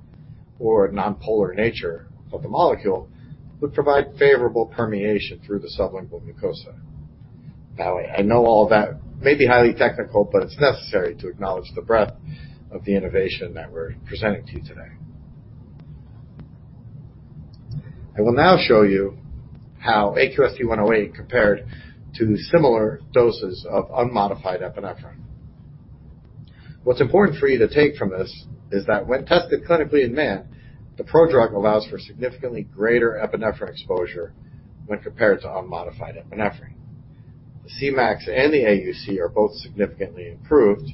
S5: or nonpolar nature of the molecule would provide favorable permeation through the sublingual mucosa. Now, I know all that may be highly technical, but it's necessary to acknowledge the breadth of the innovation that we're presenting to you today. I will now show you how AQST-108 compared to similar doses of unmodified epinephrine. What's important for you to take from this is that when tested clinically in man, the prodrug allows for significantly greater epinephrine exposure when compared to unmodified epinephrine. The Cmax and the AUC are both significantly improved,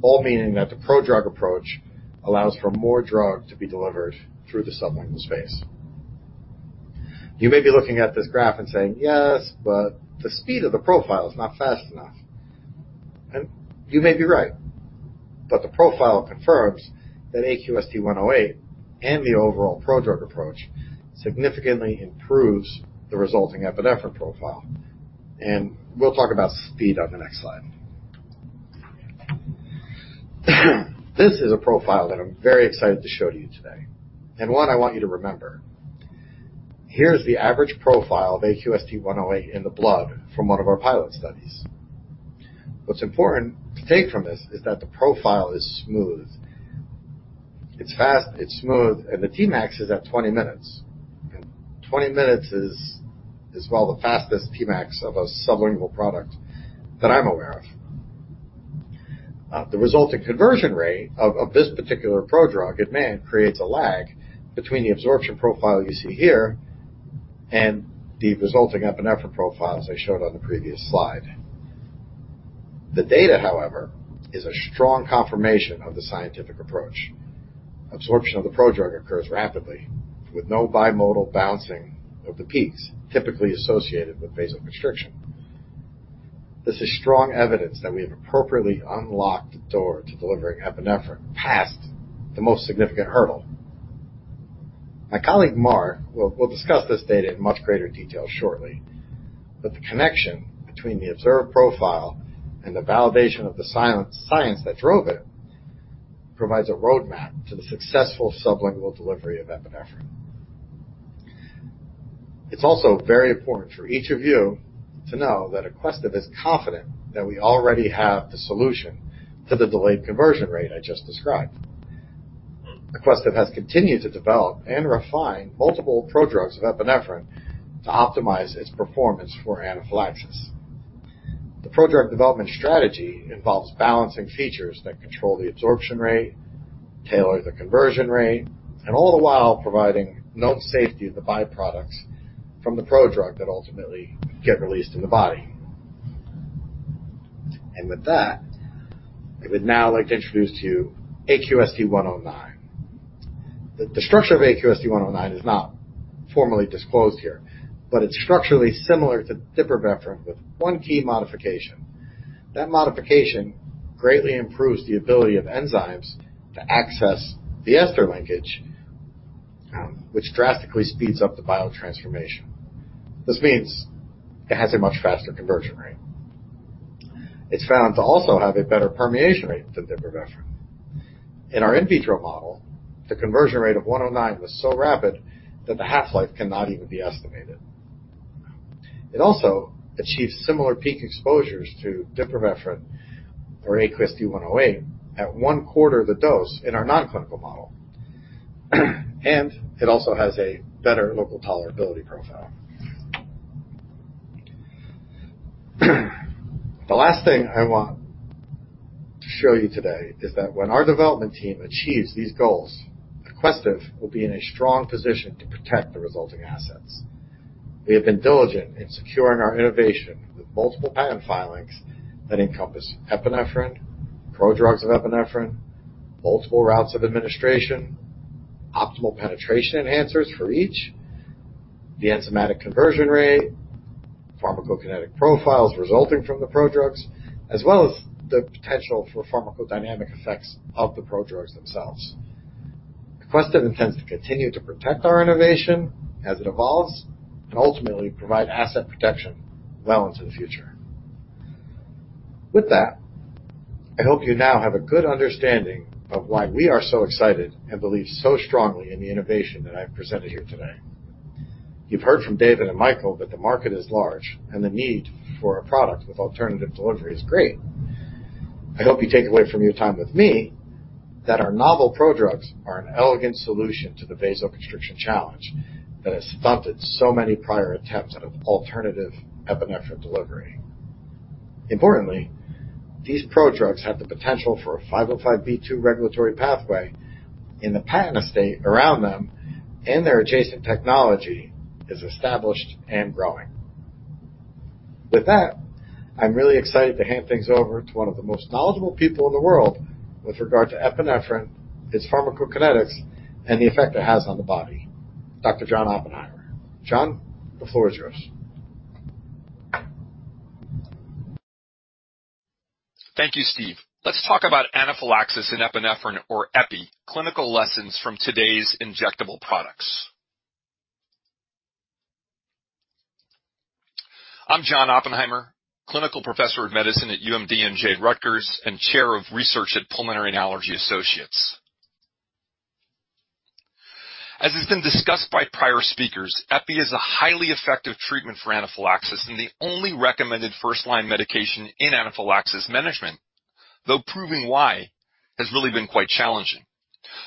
S5: all meaning that the prodrug approach allows for more drug to be delivered through the sublingual space. You may be looking at this graph and saying, "Yes, but the speed of the profile is not fast enough." You may be right. The profile confirms that AQST-108 and the overall prodrug approach significantly improves the resulting epinephrine profile. We'll talk about speed on the next slide. This is a profile that I'm very excited to show to you today, and one I want you to remember. Here's the average profile of AQST-108 in the blood from one of our pilot studies. What's important to take from this is that the profile is smooth. It's fast, it's smooth. The Tmax is at 20 minutes. 20 minutes is well the fastest Tmax of a sublingual product that I'm aware of. The resulting conversion rate of this particular prodrug, it may creates a lag between the absorption profile you see here and the resulting epinephrine profiles I showed on the previous slide. The data, however, is a strong confirmation of the scientific approach. Absorption of the prodrug occurs rapidly, with no bimodal bouncing of the peaks typically associated with vasoconstriction. This is strong evidence that we have appropriately unlocked the door to delivering epinephrine past the most significant hurdle. My colleague, Mark, will discuss this data in much greater detail shortly, but the connection between the observed profile and the validation of the science that drove it provides a roadmap to the successful sublingual delivery of epinephrine. It's also very important for each of you to know that Aquestive is confident that we already have the solution to the delayed conversion rate I just described. Aquestive has continued to develop and refine multiple prodrugs of epinephrine to optimize its performance for anaphylaxis. The prodrug development strategy involves balancing features that control the absorption rate, tailor the conversion rate, and all the while providing known safety of the byproducts from the prodrug that ultimately get released in the body. With that, I would now like to introduce to you AQST-109. The structure of AQST-109 is not formally disclosed here, but it's structurally similar to dipivefrin with one key modification. That modification greatly improves the ability of enzymes to access the ester linkage, which drastically speeds up the biotransformation. This means it has a much faster conversion rate. It's found to also have a better permeation rate than dipivefrin. In our in vitro model, the conversion rate of 109 was so rapid that the half-life cannot even be estimated. It also achieves similar peak exposures to dipivefrin or AQST-108 at 1/4 of the dose in our non-clinical model. It also has a better local tolerability profile. The last thing I want to show you today is that when our development team achieves these goals, Aquestive will be in a strong position to protect the resulting assets. We have been diligent in securing our innovation with multiple patent filings that encompass epinephrine, prodrugs of epinephrine, multiple routes of administration, optimal penetration enhancers for each, the enzymatic conversion rate, pharmacokinetic profiles resulting from the prodrugs, as well as the potential for pharmacodynamic effects of the prodrugs themselves. Aquestive intends to continue to protect our innovation as it evolves, and ultimately provide asset protection well into the future. With that, I hope you now have a good understanding of why we are so excited and believe so strongly in the innovation that I've presented here today. You've heard from David and Michael that the market is large and the need for a product with alternative delivery is great. I hope you take away from your time with me that our novel prodrugs are an elegant solution to the vasoconstriction challenge that has stunted so many prior attempts at alternative epinephrine delivery. Importantly, these prodrugs have the potential for a 505(b)(2) regulatory pathway in the patent estate around them, and their adjacent technology is established and growing. With that, I'm really excited to hand things over to one of the most knowledgeable people in the world with regard to epinephrine, its pharmacokinetics, and the effect it has on the body, Dr. John Oppenheimer. John, the floor is yours.
S6: Thank you, Steve. Let's talk about anaphylaxis and epinephrine or epi, clinical lessons from today's injectable products. I'm John Oppenheimer, Clinical Professor of Medicine at UMDNJ Rutgers, and Chair of Research at Pulmonary and Allergy Associates. As has been discussed by prior speakers, epi is a highly effective treatment for anaphylaxis and the only recommended first-line medication in anaphylaxis management, though proving why has really been quite challenging.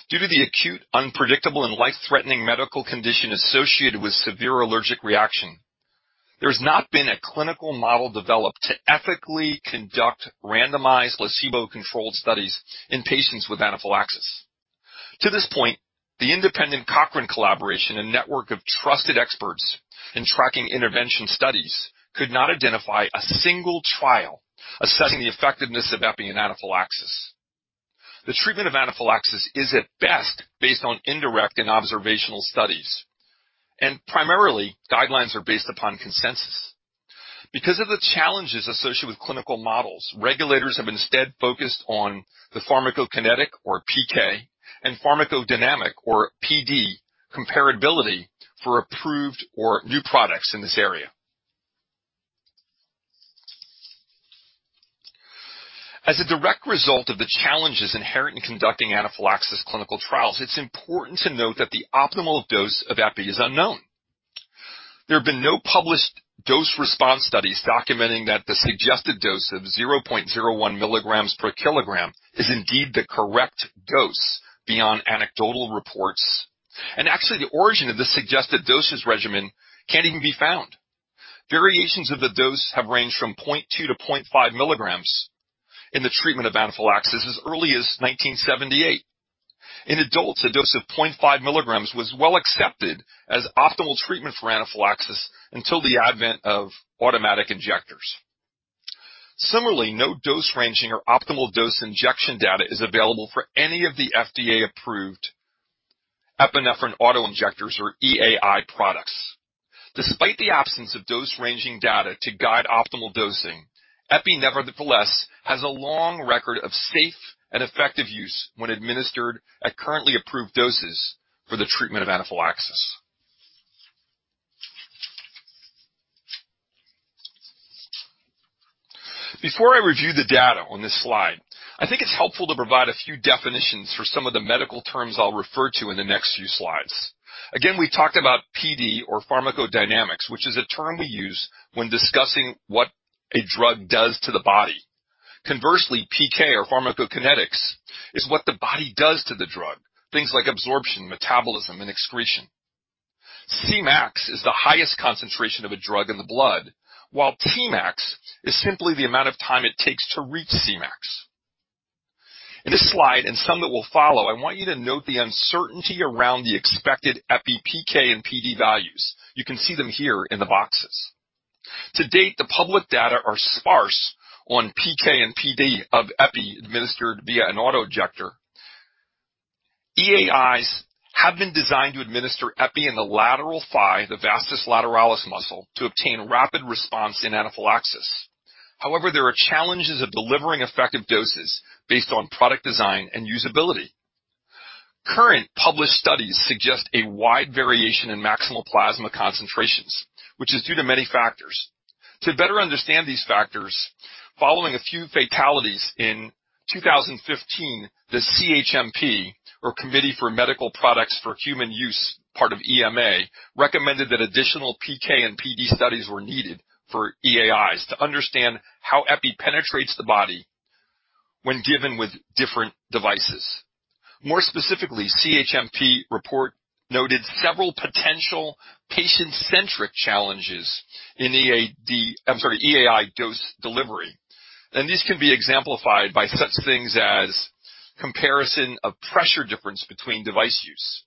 S6: Due to the acute, unpredictable, and life-threatening medical condition associated with severe allergic reaction, there's not been a clinical model developed to ethically conduct randomized placebo-controlled studies in patients with anaphylaxis. To this point, the independent Cochrane Collaboration, a network of trusted experts in tracking intervention studies, could not identify a single trial assessing the effectiveness of epi in anaphylaxis. The treatment of anaphylaxis is at best based on indirect and observational studies. Primarily guidelines are based upon consensus. Because of the challenges associated with clinical models, regulators have instead focused on the pharmacokinetic, or PK, and pharmacodynamic, or PD, comparability for approved or new products in this area. As a direct result of the challenges inherent in conducting anaphylaxis clinical trials, it is important to note that the optimal dose of epi is unknown. There have been no published dose response studies documenting that the suggested dose of 0.01 mg per kg is indeed the correct dose beyond anecdotal reports. Actually, the origin of the suggested doses regimen can't even be found. Variations of the dose have ranged from 0.2-0.5 mg in the treatment of anaphylaxis as early as 1978. In adults, a dose of 0.5 mg was well accepted as optimal treatment for anaphylaxis until the advent of automatic injectors. Similarly, no dose ranging or optimal dose injection data is available for any of the FDA-approved epinephrine auto-injectors or EAI products. Despite the absence of dose ranging data to guide optimal dosing, epi, nevertheless, has a long record of safe and effective use when administered at currently approved doses for the treatment of anaphylaxis. Before I review the data on this slide, I think it's helpful to provide a few definitions for some of the medical terms I'll refer to in the next few slides. Again, we talked about PD or pharmacodynamics, which is a term we use when discussing what a drug does to the body. Conversely, PK or pharmacokinetics is what the body does to the drug, things like absorption, metabolism, and excretion. Cmax is the highest concentration of a drug in the blood, while Tmax is simply the amount of time it takes to reach Cmax. In this slide and some that will follow, I want you to note the uncertainty around the expected epi PK and PD values. You can see them here in the boxes. To date, the public data are sparse on PK and PD of epi administered via an auto-injector. EAIs have been designed to administer epi in the lateral thigh, the vastus lateralis muscle, to obtain rapid response in anaphylaxis. However, there are challenges of delivering effective doses based on product design and usability. Current published studies suggest a wide variation in maximal plasma concentrations, which is due to many factors. To better understand these factors, following a few fatalities in 2015, the CHMP, or Committee for Medical Products for Human Use, part of EMA, recommended that additional PK and PD studies were needed for EAIs to understand how epi penetrates the body when given with different devices. More specifically, CHMP report noted several potential patient-centric challenges in EAI dose delivery. These can be exemplified by such things as comparison of pressure difference between device use,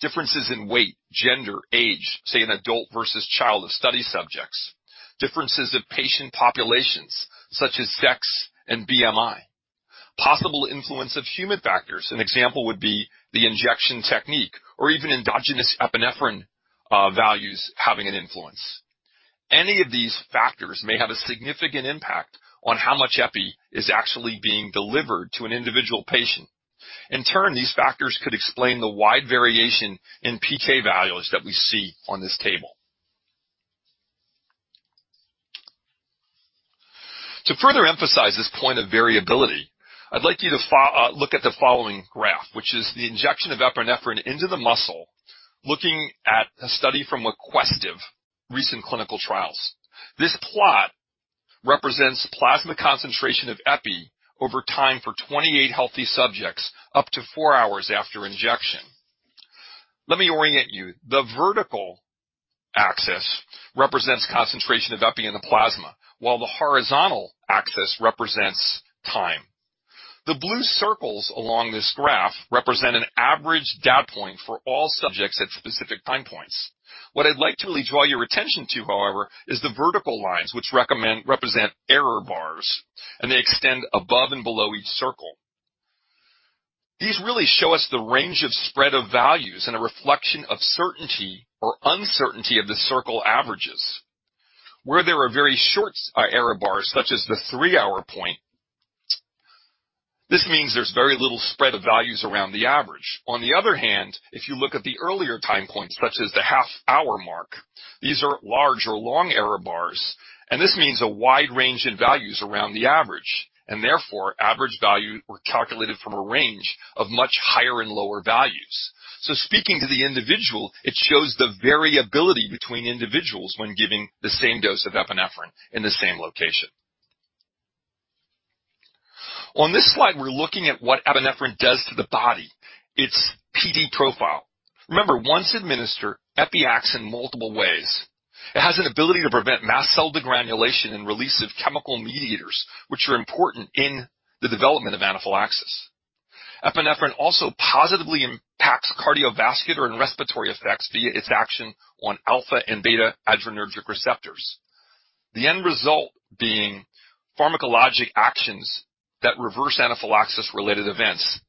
S6: differences in weight, gender, age, say an adult versus child of study subjects, differences of patient populations such as sex and BMI, possible influence of human factors. An example would be the injection technique or even endogenous epinephrine values having an influence. Any of these factors may have a significant impact on how much epi is actually being delivered to an individual patient. In turn, these factors could explain the wide variation in PK values that we see on this table. To further emphasize this point of variability, I'd like you to look at the following graph, which is the injection of epinephrine into the muscle looking at a study from Aquestive recent clinical trials. This plot represents plasma concentration of epi over time for 28 healthy subjects up to four hours after injection. Let me orient you. The vertical axis represents concentration of epi in the plasma, while the horizontal axis represents time. The blue circles along this graph represent an average data point for all subjects at specific time points. What I'd like to really draw your attention to, however, is the vertical lines, which represent error bars, and they extend above and below each circle. These really show us the range of spread of values and a reflection of certainty or uncertainty of the circle averages. Where there are very short error bars, such as the three-hour point, this means there's very little spread of values around the average. On the other hand, if you look at the earlier time points, such as the half-hour mark, these are large or long error bars, and this means a wide range in values around the average, and therefore, average value were calculated from a range of much higher and lower values. Speaking to the individual, it shows the variability between individuals when giving the same dose of epinephrine in the same location. On this slide, we're looking at what epinephrine does to the body, its PD profile. Remember, once administered, epi acts in multiple ways. It has an ability to prevent mast cell degranulation and release of chemical mediators, which are important in the development of anaphylaxis. Epinephrine also positively impacts cardiovascular and respiratory effects via its action on alpha and beta adrenergic receptors. The end result being pharmacologic actions that reverse anaphylaxis-related events,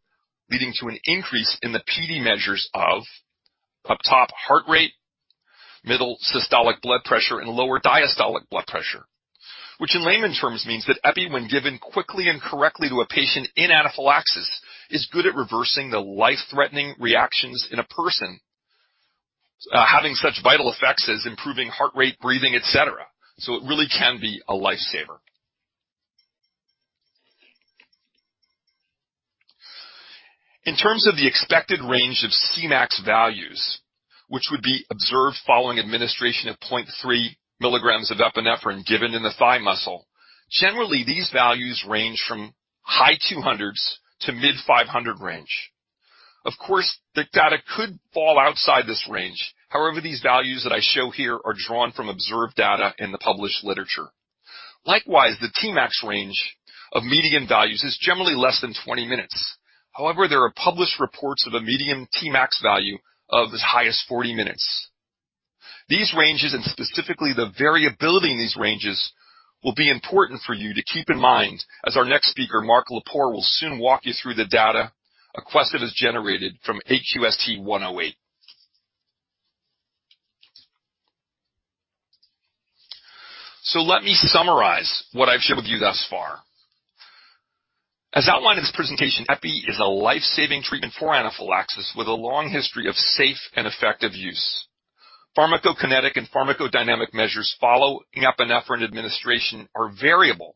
S6: leading to an increase in the PD measures of, up top, heart rate, middle, systolic blood pressure, and lower diastolic blood pressure, which in layman's terms means that epi, when given quickly and correctly to a patient in anaphylaxis, is good at reversing the life-threatening reactions in a person, having such vital effects as improving heart rate, breathing, et cetera. It really can be a lifesaver. In terms of the expected range of Cmax values, which would be observed following administration of 0.3 mg of epinephrine given in the thigh muscle, generally, these values range from high 200s to mid-500 range. Of course, the data could fall outside this range. These values that I show here are drawn from observed data in the published literature. Likewise, the Tmax range of median values is generally less than 20 minutes. However, there are published reports of a median Tmax value of as high as 40 minutes. These ranges, and specifically the variability in these ranges, will be important for you to keep in mind as our next speaker, Mark Lepore, will soon walk you through the data Aquestive has generated from AQST-108. Let me summarize what I've shared with you thus far. As outlined in this presentation, epi is a life-saving treatment for anaphylaxis with a long history of safe and effective use. Pharmacokinetic and pharmacodynamic measures following epinephrine administration are variable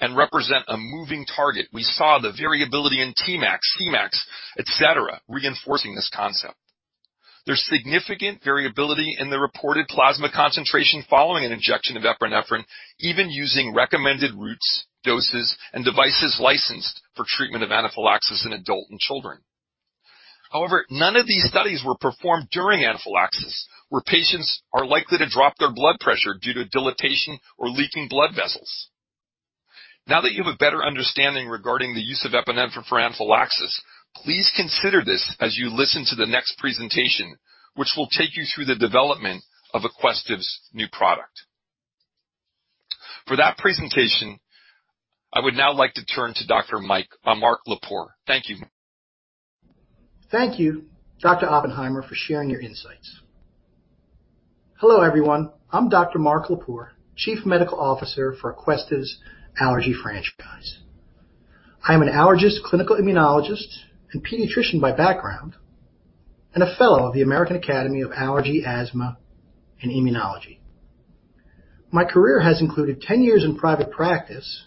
S6: and represent a moving target. We saw the variability in Tmax, Cmax, et cetera, reinforcing this concept. There's significant variability in the reported plasma concentration following an injection of epinephrine, even using recommended routes, doses, and devices licensed for treatment of anaphylaxis in adult and children. However, none of these studies were performed during anaphylaxis, where patients are likely to drop their blood pressure due to dilatation or leaking blood vessels. Now that you have a better understanding regarding the use of epinephrine for anaphylaxis, please consider this as you listen to the next presentation, which will take you through the development of Aquestive's new product. For that presentation, I would now like to turn to Dr. Mark Lepore. Thank you.
S7: Thank you, Dr. Oppenheimer, for sharing your insights. Hello, everyone. I'm Dr. Mark Lepore, Chief Medical Officer for Aquestive's allergy franchise. I am an allergist, clinical immunologist, and pediatrician by background, and a fellow of the American Academy of Allergy, Asthma & Immunology. My career has included 10 years in private practice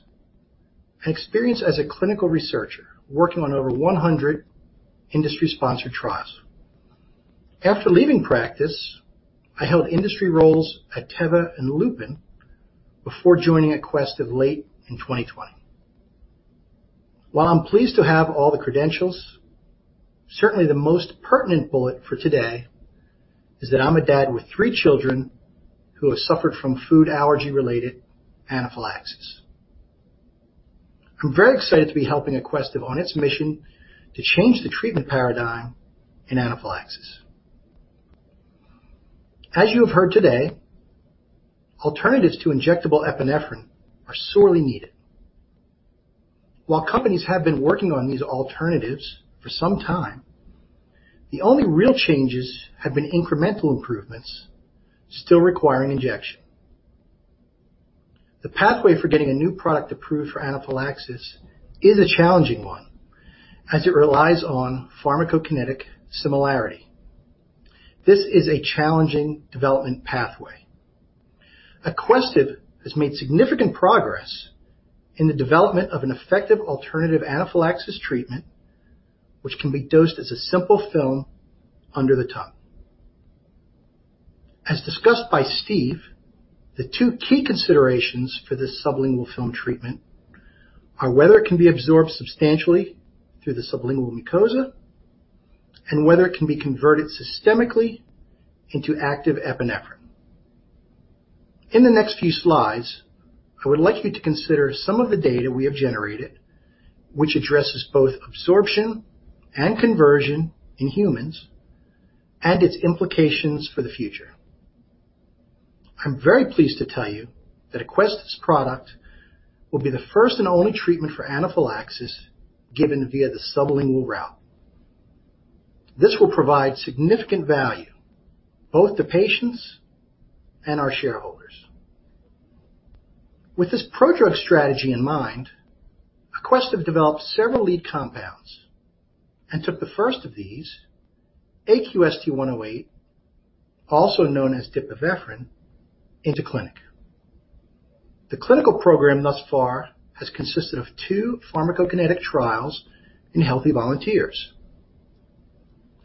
S7: and experience as a clinical researcher, working on over 100 industry-sponsored trials. After leaving practice, I held industry roles at Teva and Lupin before joining Aquestive late in 2020. While I'm pleased to have all the credentials, certainly the most pertinent bullet for today is that I'm a dad with three children who have suffered from food allergy-related anaphylaxis. I'm very excited to be helping Aquestive on its mission to change the treatment paradigm in anaphylaxis. As you have heard today, alternatives to injectable epinephrine are sorely needed. While companies have been working on these alternatives for some time, the only real changes have been incremental improvements still requiring injection. The pathway for getting a new product approved for anaphylaxis is a challenging one, as it relies on pharmacokinetic similarity. This is a challenging development pathway. Aquestive has made significant progress in the development of an effective alternative anaphylaxis treatment, which can be dosed as a simple film under the tongue. As discussed by Steve, the two key considerations for this sublingual film treatment are whether it can be absorbed substantially through the sublingual mucosa and whether it can be converted systemically into active epinephrine. In the next few slides, I would like you to consider some of the data we have generated, which addresses both absorption and conversion in humans and its implications for the future. I'm very pleased to tell you that Aquestive's product will be the first and only treatment for anaphylaxis given via the sublingual route. This will provide significant value both to patients and our shareholders. With this prodrug strategy in mind, Aquestive developed several lead compounds and took the first of these, AQST-108, also known as dipivefrin, into clinic. The clinical program thus far has consisted of two pharmacokinetic trials in healthy volunteers.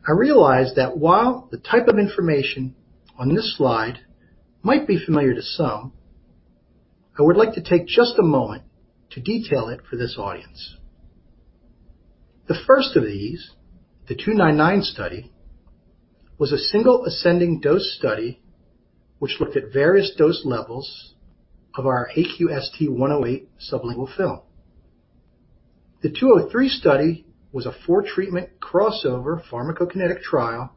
S7: I realize that while the type of information on this slide might be familiar to some, I would like to take just a moment to detail it for this audience. The first of these, the 299 study, was a single ascending dose study which looked at various dose levels of our AQST-108 sublingual film. The 203 study was a four-treatment crossover pharmacokinetic trial,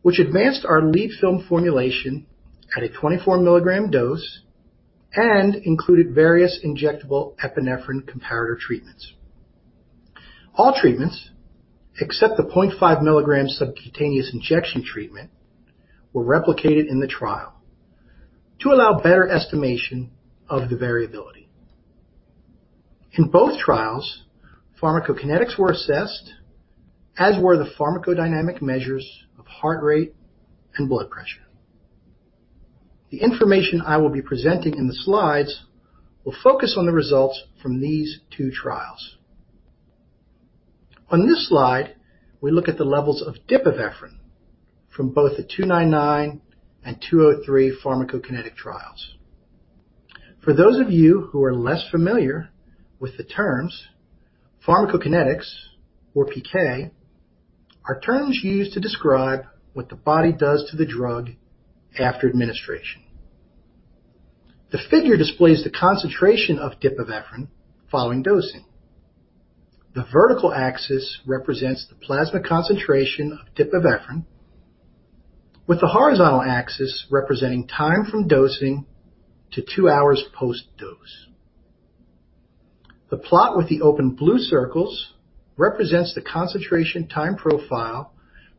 S7: which advanced our lead film formulation at a 24 mg dose and included various injectable epinephrine comparator treatments. All treatments, except the 0.5 mg subcutaneous injection treatment, were replicated in the trial to allow better estimation of the variability. In both trials, pharmacokinetics were assessed, as were the pharmacodynamic measures of heart rate and blood pressure. The information I will be presenting in the slides will focus on the results from these two trials. On this slide, we look at the levels of dipivefrin from both the 299 and 203 pharmacokinetic trials. For those of you who are less familiar with the terms, pharmacokinetics, or PK, are terms used to describe what the body does to the drug after administration. The figure displays the concentration of dipivefrin following dosing. The vertical axis represents the plasma concentration of dipivefrin, with the horizontal axis representing time from dosing to two hours post-dose. The plot with the open blue circles represents the concentration time profile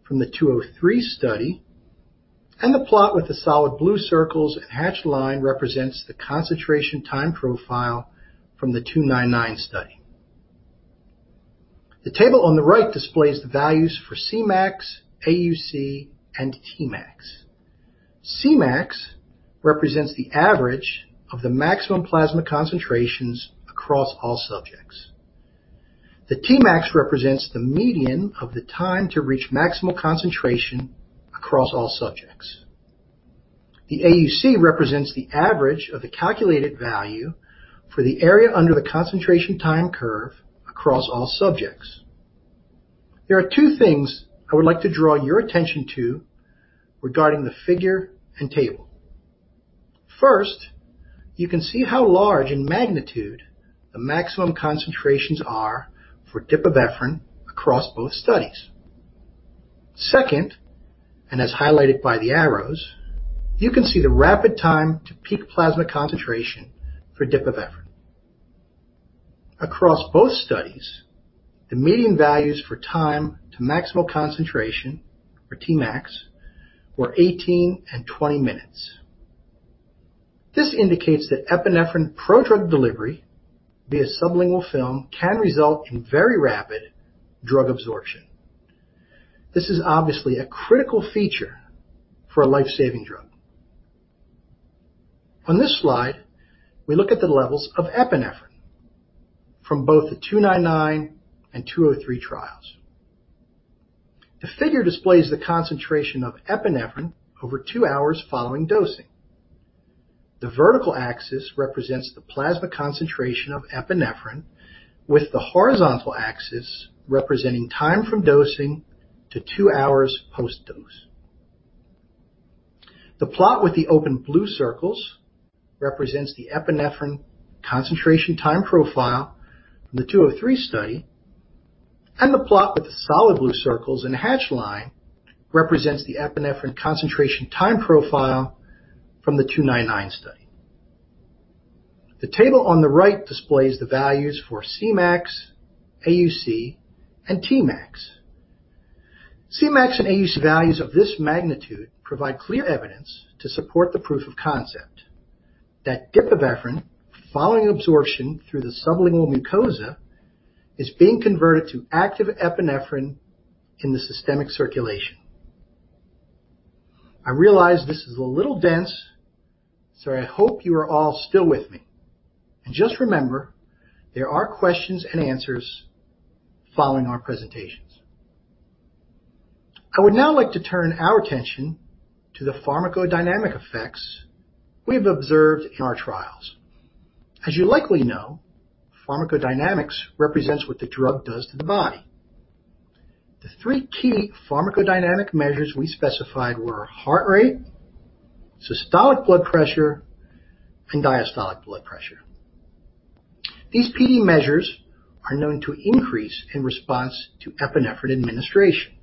S7: from the 203 study, and the plot with the solid blue circles and hatched line represents the concentration time profile from the 299 study. The table on the right displays the values for Cmax, AUC, and Tmax. Cmax represents the average of the maximum plasma concentrations across all subjects. The Tmax represents the median of the time to reach maximal concentration across all subjects. The AUC represents the average of the calculated value for the area under the concentration time curve across all subjects. There are two things I would like to draw your attention to regarding the figure and table. First, you can see how large in magnitude the maximum concentrations are for dipivefrin across both studies. Second, and as highlighted by the arrows, you can see the rapid time to peak plasma concentration for dipivefrin. Across both studies, the median values for time to maximal concentration, or Tmax, were 18 and 20 minutes. This indicates that epinephrine prodrug delivery via sublingual film can result in very rapid drug absorption. This is obviously a critical feature for a life-saving drug. On this slide, we look at the levels of epinephrine from both the 299 and 203 trials. The figure displays the concentration of epinephrine over two hours following dosing. The vertical axis represents the plasma concentration of epinephrine, with the horizontal axis representing time from dosing to two hours post-dose. The plot with the open blue circles represents the epinephrine concentration time profile from the 203 study, and the plot with the solid blue circles and hatched line represents the epinephrine concentration time profile from the 299 study. The table on the right displays the values for Cmax, AUC, and Tmax. Cmax and AUC values of this magnitude provide clear evidence to support the proof of concept that dipivefrin, following absorption through the sublingual mucosa, is being converted to active epinephrine in the systemic circulation. I realize this is a little dense, so I hope you are all still with me. Just remember, there are questions and answers following our presentations. I would now like to turn our attention to the pharmacodynamic effects we've observed in our trials. You likely know, pharmacodynamics represents what the drug does to the body. The three key pharmacodynamic measures we specified were heart rate, systolic blood pressure, and diastolic blood pressure. These PD measures are known to increase in response to epinephrine administration.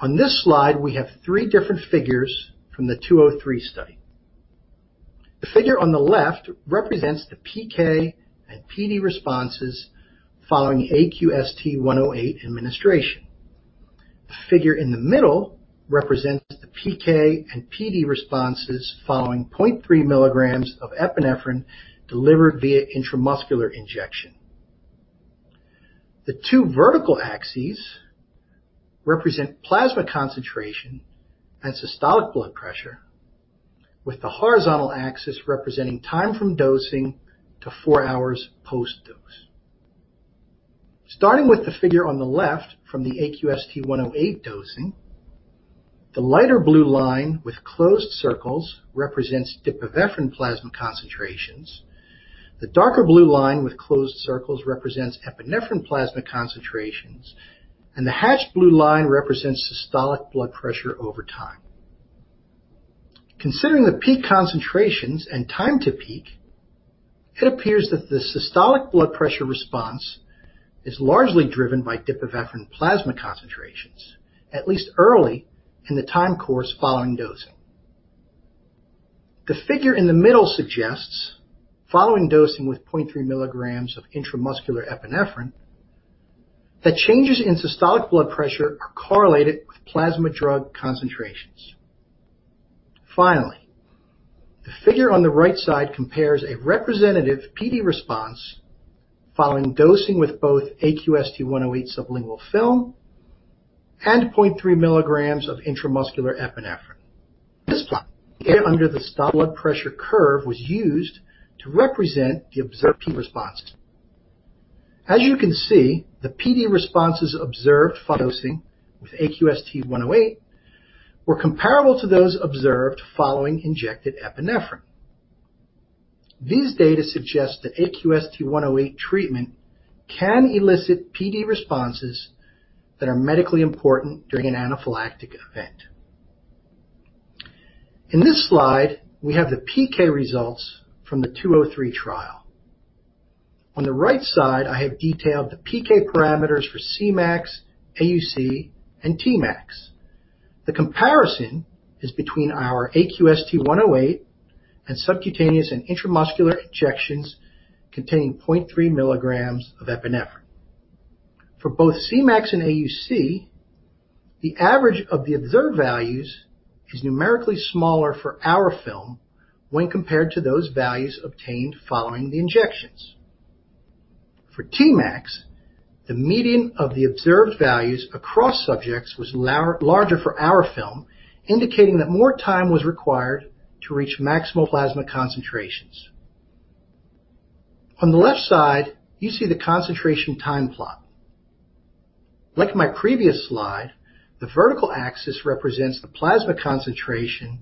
S7: On this slide, we have three different figures from the 203 study. The figure on the left represents the PK and PD responses following AQST-108 administration. The figure in the middle represents the PK and PD responses following 0.3 mg of epinephrine delivered via intramuscular injection. The two vertical axes represent plasma concentration and systolic blood pressure, with the horizontal axis representing time from dosing to four hours post-dose. Starting with the figure on the left from the AQST-108 dosing, the lighter blue line with closed circles represents dipivefrin plasma concentrations, the darker blue line with closed circles represents epinephrine plasma concentrations, and the hatched blue line represents systolic blood pressure over time. Considering the peak concentrations and time to peak, it appears that the systolic blood pressure response is largely driven by dipivefrin plasma concentrations, at least early in the time course following dosing. The figure in the middle suggests, following dosing with 0.3 mg of intramuscular epinephrine, that changes in systolic blood pressure are correlated with plasma drug concentrations. Finally, the figure on the right side compares a representative PD response following dosing with both AQST-108 sublingual film and 0.3 mg of intramuscular epinephrine. This plot, the area under the blood pressure curve was used to represent the observed PD responses. As you can see, the PD responses observed following dosing with AQST-108 were comparable to those observed following injected epinephrine. These data suggest that AQST-108 treatment can elicit PD responses that are medically important during an anaphylactic event. In this slide, we have the PK results from the 203 trial. On the right side, I have detailed the PK parameters for Cmax, AUC, and Tmax. The comparison is between our AQST-108 and subcutaneous and intramuscular injections containing 0.3 mg of epinephrine. For both Cmax and AUC, the average of the observed values is numerically smaller for our film when compared to those values obtained following the injections. For Tmax, the median of the observed values across subjects was larger for our film, indicating that more time was required to reach maximal plasma concentrations. On the left side, you see the concentration time plot. Like my previous slide, the vertical axis represents the plasma concentration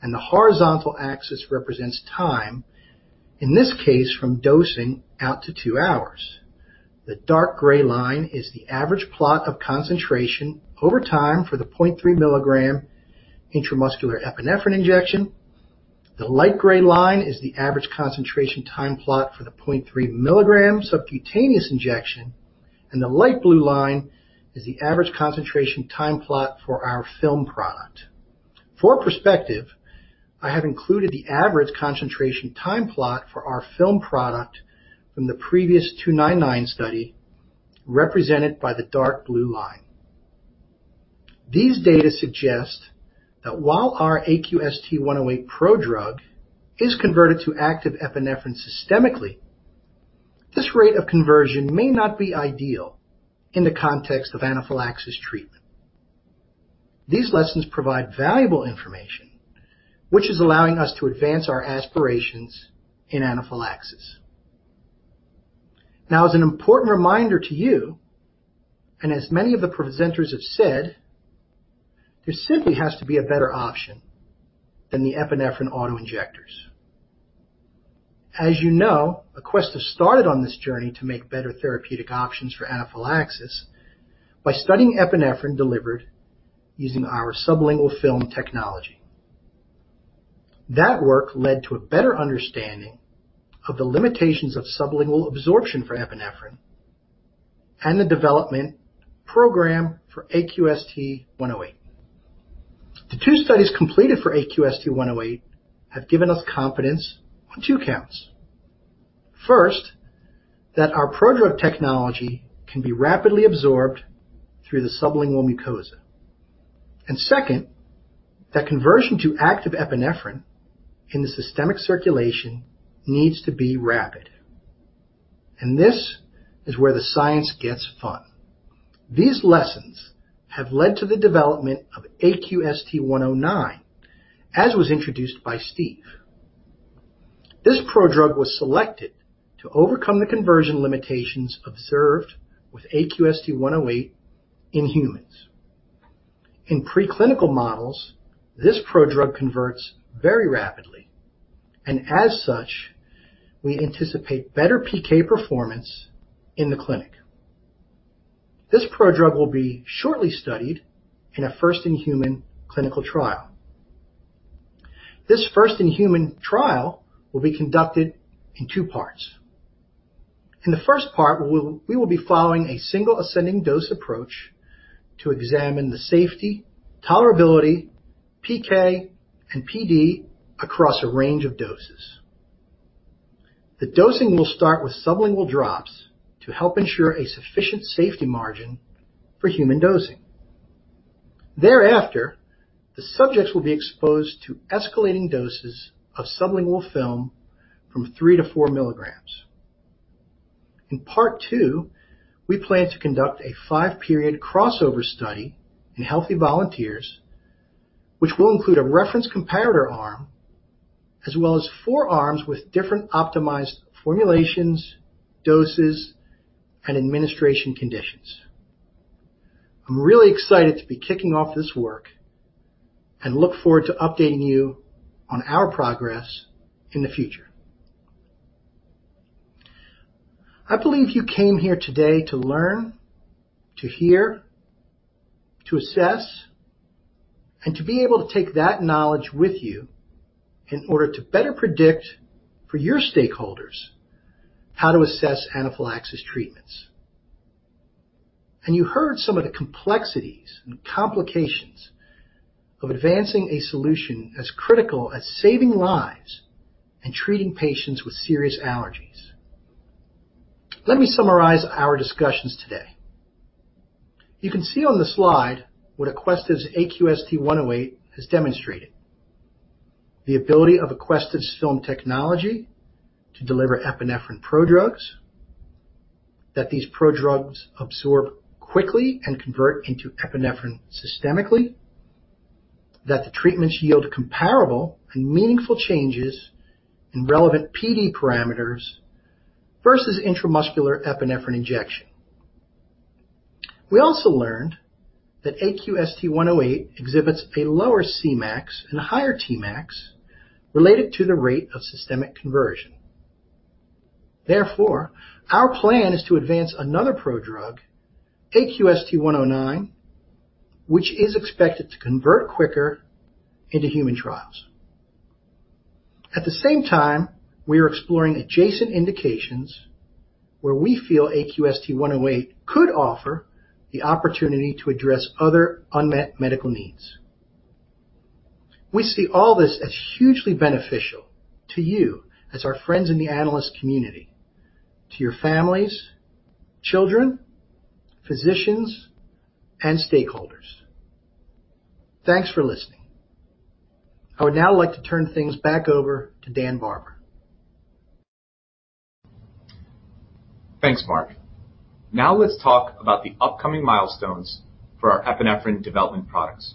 S7: and the horizontal axis represents time, in this case, from dosing out to two hours. The dark gray line is the average plot of concentration over time for the 0.3 mg intramuscular epinephrine injection. The light gray line is the average concentration time plot for the 0.3 mg subcutaneous injection, and the light blue line is the average concentration time plot for our film product. For perspective, I have included the average concentration time plot for our film product from the previous 299 study represented by the dark blue line. These data suggest that while our AQST-108 prodrug is converted to active epinephrine systemically, this rate of conversion may not be ideal in the context of anaphylaxis treatment. These lessons provide valuable information, which is allowing us to advance our aspirations in anaphylaxis. Now, as an important reminder to you, as many of the presenters have said, there simply has to be a better option than the epinephrine auto-injectors. As you know, Aquestive has started on this journey to make better therapeutic options for anaphylaxis by studying epinephrine delivered using our sublingual film technology. That work led to a better understanding of the limitations of sublingual absorption for epinephrine and the development program for AQST-108. The two studies completed for AQST-108 have given us confidence on two counts. First, that our prodrug technology can be rapidly absorbed through the sublingual mucosa. Second, that conversion to active epinephrine in the systemic circulation needs to be rapid. This is where the science gets fun. These lessons have led to the development of AQST-109, as was introduced by Steve. This prodrug was selected to overcome the conversion limitations observed with AQST-108 in humans. In preclinical models, this prodrug converts very rapidly, as such, we anticipate better PK performance in the clinic. This prodrug will be shortly studied in a first-in-human clinical trial. This first-in-human trial will be conducted in two parts. In the first part, we will be following a single ascending dose approach to examine the safety, tolerability, PK, and PD across a range of doses. The dosing will start with sublingual drops to help ensure a sufficient safety margin for human dosing. Thereafter, the subjects will be exposed to escalating doses of sublingual film from 3-4 mg. In part two, we plan to conduct a five-period crossover study in healthy volunteers, which will include a reference comparator arm as well as four arms with different optimized formulations, doses, and administration conditions. I'm really excited to be kicking off this work and look forward to updating you on our progress in the future. I believe you came here today to learn, to hear, to assess, and to be able to take that knowledge with you in order to better predict for your stakeholders how to assess anaphylaxis treatments. You heard some of the complexities and complications of advancing a solution as critical as saving lives and treating patients with serious allergies. Let me summarize our discussions today. You can see on the slide what Aquestive's AQST-108 has demonstrated. The ability of Aquestive's film technology to deliver epinephrine prodrugs. That these prodrugs absorb quickly and convert into epinephrine systemically. That the treatments yield comparable and meaningful changes in relevant PD parameters versus intramuscular epinephrine injection. We also learned that AQST-108 exhibits a lower Cmax and a higher Tmax related to the rate of systemic conversion. Therefore, our plan is to advance another prodrug, AQST-109, which is expected to convert quicker into human trials. At the same time, we are exploring adjacent indications where we feel AQST-108 could offer the opportunity to address other unmet medical needs. We see all this as hugely beneficial to you as our friends in the analyst community, to your families, children, physicians, and stakeholders. Thanks for listening. I would now like to turn things back over to Dan Barber.
S2: Thanks, Mark. Let's talk about the upcoming milestones for our epinephrine development products.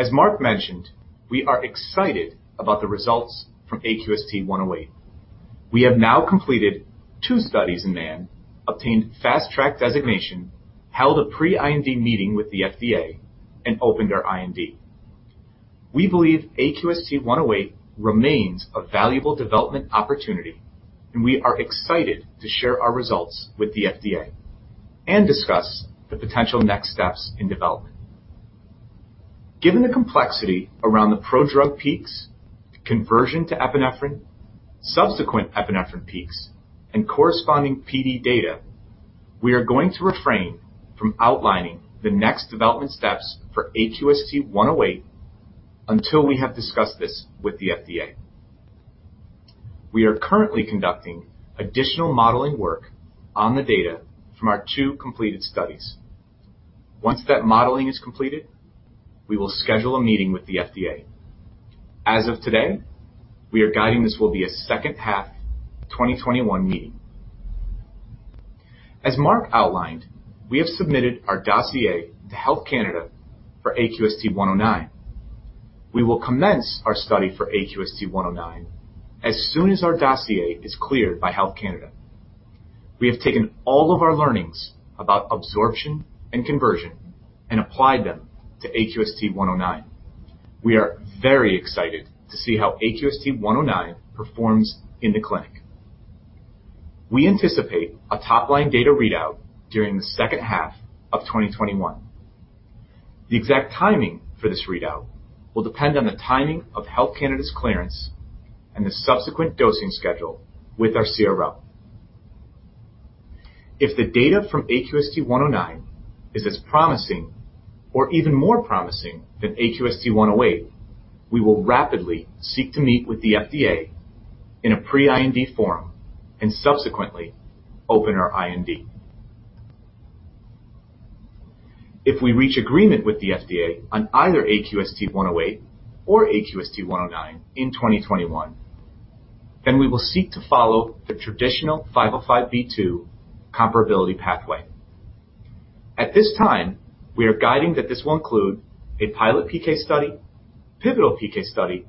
S2: As Mark mentioned, we are excited about the results from AQST-108. We have now completed two studies in man, obtained Fast Track designation, held a pre-IND meeting with the FDA, and opened our IND. We believe AQST-108 remains a valuable development opportunity, and we are excited to share our results with the FDA and discuss the potential next steps in development. Given the complexity around the prodrug peaks, the conversion to epinephrine, subsequent epinephrine peaks, and corresponding PD data, we are going to refrain from outlining the next development steps for AQST-108 until we have discussed this with the FDA. We are currently conducting additional modeling work on the data from our two completed studies. Once that modeling is completed, we will schedule a meeting with the FDA. As of today, we are guiding this will be a second half 2021 meeting. As Mark outlined, we have submitted our dossier to Health Canada for AQST-109. We will commence our study for AQST-109 as soon as our dossier is cleared by Health Canada. We have taken all of our learnings about absorption and conversion and applied them to AQST-109. We are very excited to see how AQST-109 performs in the clinic. We anticipate a top-line data readout during the H2 of 2021. The exact timing for this readout will depend on the timing of Health Canada's clearance and the subsequent dosing schedule with our CRO. If the data from AQST-109 is as promising or even more promising than AQST-108, we will rapidly seek to meet with the FDA in a pre-IND form and subsequently open our IND. If we reach agreement with the FDA on either AQST-108 or AQST-109 in 2021, then we will seek to follow the traditional 505(b)(2) comparability pathway. At this time, we are guiding that this will include a pilot PK study, pivotal PK study,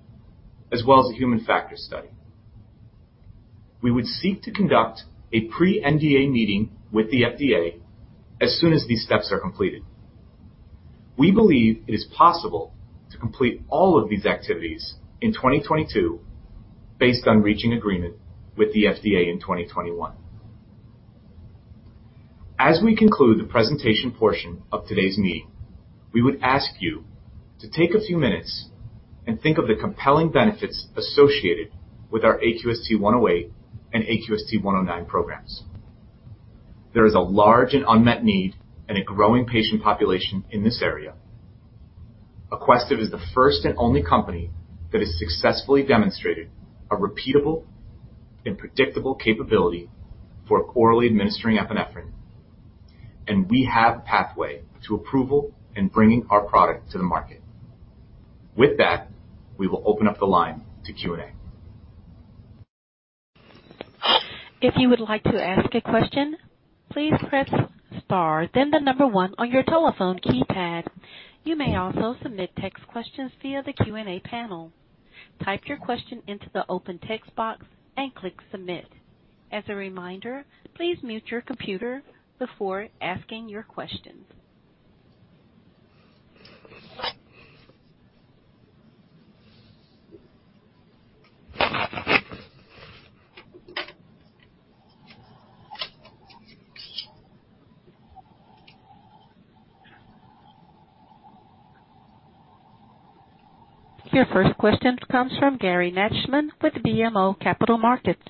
S2: as well as a human factor study. We would seek to conduct a pre-NDA meeting with the FDA as soon as these steps are completed. We believe it is possible to complete all of these activities in 2022 based on reaching agreement with the FDA in 2021. As we conclude the presentation portion of today's meeting, we would ask you to take a few minutes and think of the compelling benefits associated with our AQST-108 and AQST-109 programs. There is a large and unmet need and a growing patient population in this area. Aquestive is the first and only company that has successfully demonstrated a repeatable and predictable capability for orally administering epinephrine. We have a pathway to approval and bringing our product to the market. With that, we will open up the line to Q&A.
S8: If you would like to ask a question, please press star and then the number one on your telephone keypad. You may also submit a text question via the Q&A panel. Type your question into the open text bar and click submit. As a reminder, please mute your computer before asking your question. Your first question comes from Gary Nachman with BMO Capital Markets.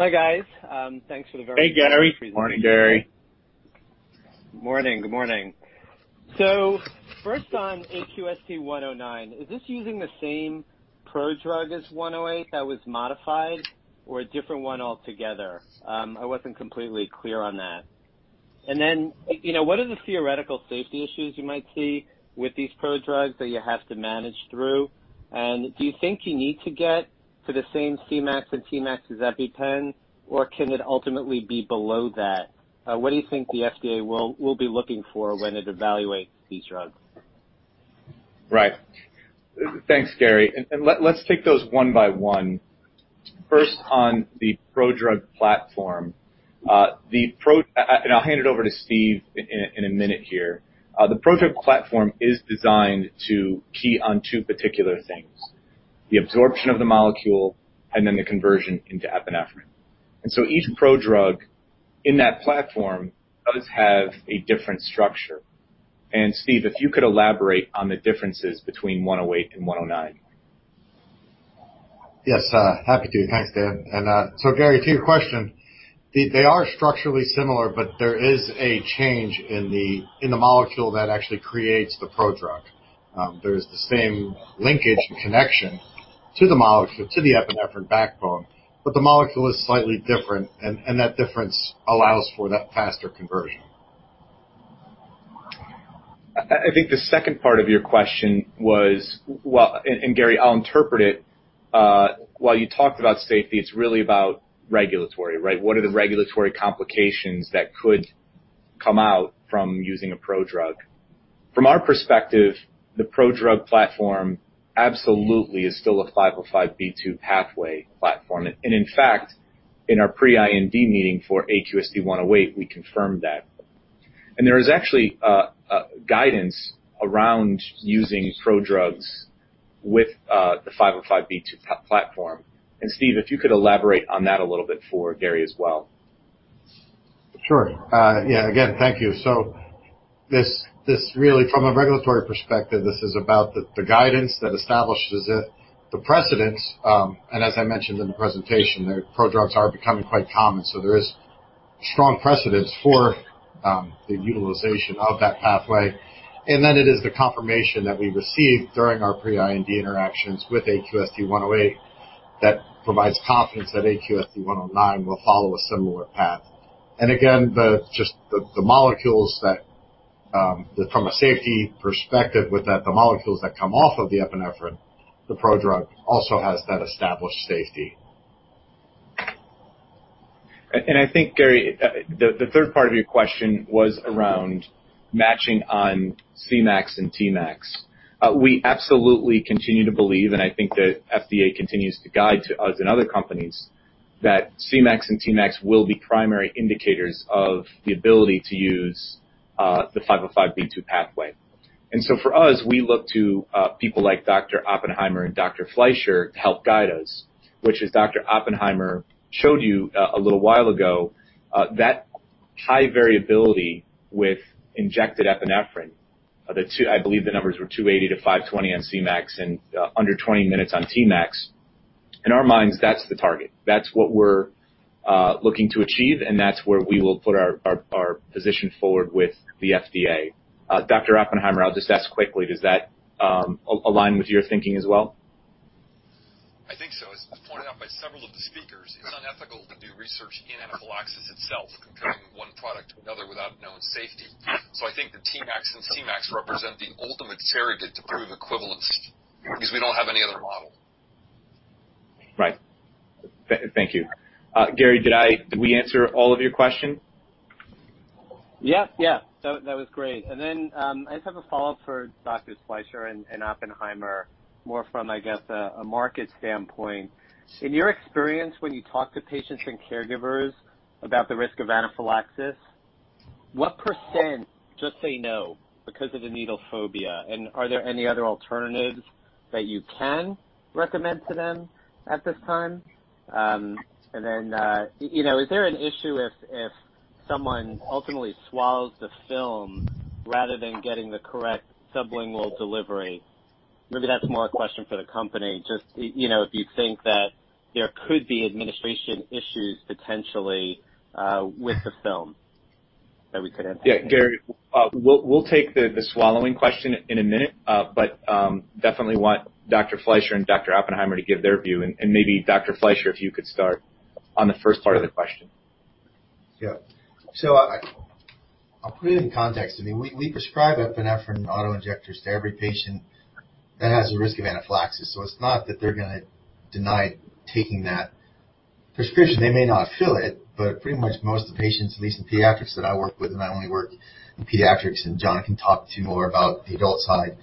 S9: Hi, guys. Thanks for the-
S2: Hey, Gary.
S5: Morning, Gary.
S9: Morning. Good morning. First on AQST-109, is this using the same prodrug as 108 that was modified or a different one altogether? I wasn't completely clear on that. What are the theoretical safety issues you might see with these prodrugs that you have to manage through? Do you think you need to get to the same Cmax and Tmax as EpiPen, or can it ultimately be below that? What do you think the FDA will be looking for when it evaluates these drugs?
S2: Right. Thanks, Gary. Let's take those one by one. First on the prodrug platform. I'll hand it over to Steve in a minute here. The prodrug platform is designed to key on two particular things, the absorption of the molecule and then the conversion into epinephrine. Each prodrug in that platform does have a different structure. Steve, if you could elaborate on the differences between 108 and 109.
S5: Yes. Happy to. Thanks, Dan. Gary, to your question, they are structurally similar, but there is a change in the molecule that actually creates the prodrug. There is the same linkage and connection to the molecule, to the epinephrine backbone, but the molecule is slightly different, and that difference allows for that faster conversion.
S2: I think the second part of your question was, Gary, I'll interpret it. While you talked about safety, it's really about regulatory, right? What are the regulatory complications that could come out from using a prodrug? From our perspective, the prodrug platform absolutely is still a 505(b)(2) pathway platform. In fact, in our pre-IND meeting for AQST-108, we confirmed that. There is actually a guidance around using prodrugs with the 505(b)(2) platform. Steve, if you could elaborate on that a little bit for Gary as well.
S5: Sure. Yeah, again, thank you. Really from a regulatory perspective, this is about the guidance that establishes it, the precedence. As I mentioned in the presentation, prodrugs are becoming quite common. There is strong precedence for the utilization of that pathway. Then it is the confirmation that we received during our pre-IND interactions with AQST-108 that provides confidence that AQST-109 will follow a similar path. Again, just the molecules that, from a safety perspective with that, the molecules that come off of the epinephrine, the prodrug, also has that established safety.
S2: I think, Gary, the third part of your question was around matching on Cmax and Tmax. We absolutely continue to believe, and I think the FDA continues to guide to us and other companies, that Cmax and Tmax will be primary indicators of the ability to use the 505(b)(2) pathway. For us, we look to people like Dr. Oppenheimer and Dr. Fleischer to help guide us. Which, as Dr. Oppenheimer showed you a little while ago, that high variability with injected epinephrine. I believe the numbers were 280-520 on Cmax and under 20 minutes on Tmax. In our minds, that's the target. That's what we're looking to achieve, and that's where we will put our position forward with the FDA. Dr. Oppenheimer, I'll just ask quickly, does that align with your thinking as well?
S6: I think so. As pointed out by several of the speakers, it's unethical to do research in anaphylaxis itself, comparing one product to another without knowing safety. I think the Tmax and Cmax represent the ultimate surrogate to prove equivalence because we don't have any other model.
S2: Right. Thank you. Gary, did we answer all of your questions?
S9: That was great. I just have a follow-up for Dr. Fleischer and Oppenheimer, more from, I guess, a market standpoint. In your experience, when you talk to patients and caregivers about the risk of anaphylaxis, what percent, just say no because of the needle phobia? Are there any other alternatives that you can recommend to them at this time? Is there an issue if someone ultimately swallows the film rather than getting the correct sublingual delivery? Maybe that's more a question for the company. Just if you think that there could be administration issues potentially with the film that we could impact.
S2: Yeah. Gary, we'll take the swallowing question in a minute, but definitely want Dr. Fleischer and Dr. Oppenheimer to give their view, and maybe Dr. Fleischer, if you could start on the first part of the question.
S3: Yeah. I'll put it in context. We prescribe epinephrine auto-injectors to every patient that has a risk of anaphylaxis. It's not that they're going to deny taking that prescription. They may not fill it, but pretty much most of the patients, at least in pediatrics that I work with, and I only work in pediatrics, and John can talk to you more about the adult side.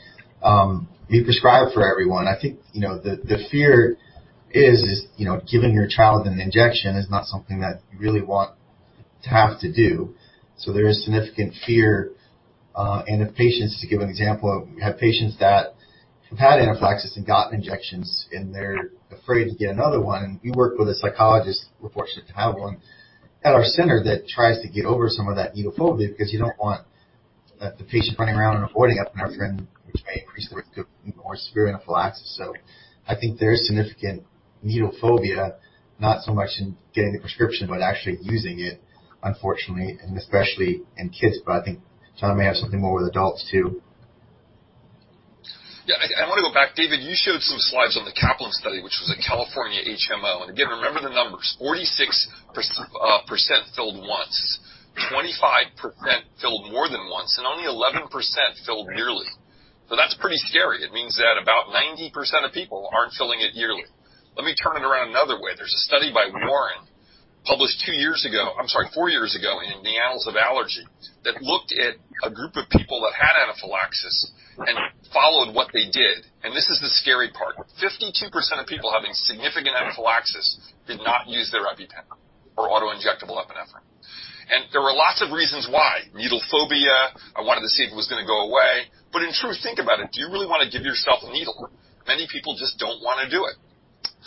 S3: We prescribe for everyone. I think, the fear is, giving your child an injection is not something that you really want to have to do. There is significant fear in the patients. To give an example of, we have patients that have had anaphylaxis and gotten injections, and they're afraid to get another one. We work with a psychologist, we're fortunate to have one at our center, that tries to get over some of that needle phobia, because you don't want the patient running around and avoiding epinephrine, which may increase the risk of more severe anaphylaxis. I think there is significant needle phobia, not so much in getting the prescription, but actually using it, unfortunately, and especially in kids. I think John may have something more with adults too.
S6: I want to go back. David, you showed some slides on the Kaplan study, which was a California HMO, and again, remember the numbers, 46% filled once, 25% filled more than once, and only 11% filled yearly. That's pretty scary. It means that about 90% of people aren't filling it yearly. Let me turn it around another way. There's a study by Warren published two years ago, I'm sorry, four years ago in the Annals of Allergy, that looked at a group of people that had anaphylaxis and followed what they did. This is the scary part. 52% of people having significant anaphylaxis did not use their EpiPen or auto-injectable epinephrine. There were lots of reasons why. Needle phobia, I wanted to see if it was gonna go away. In truth, think about it. Do you really want to give yourself a needle? Many people just don't wanna do it.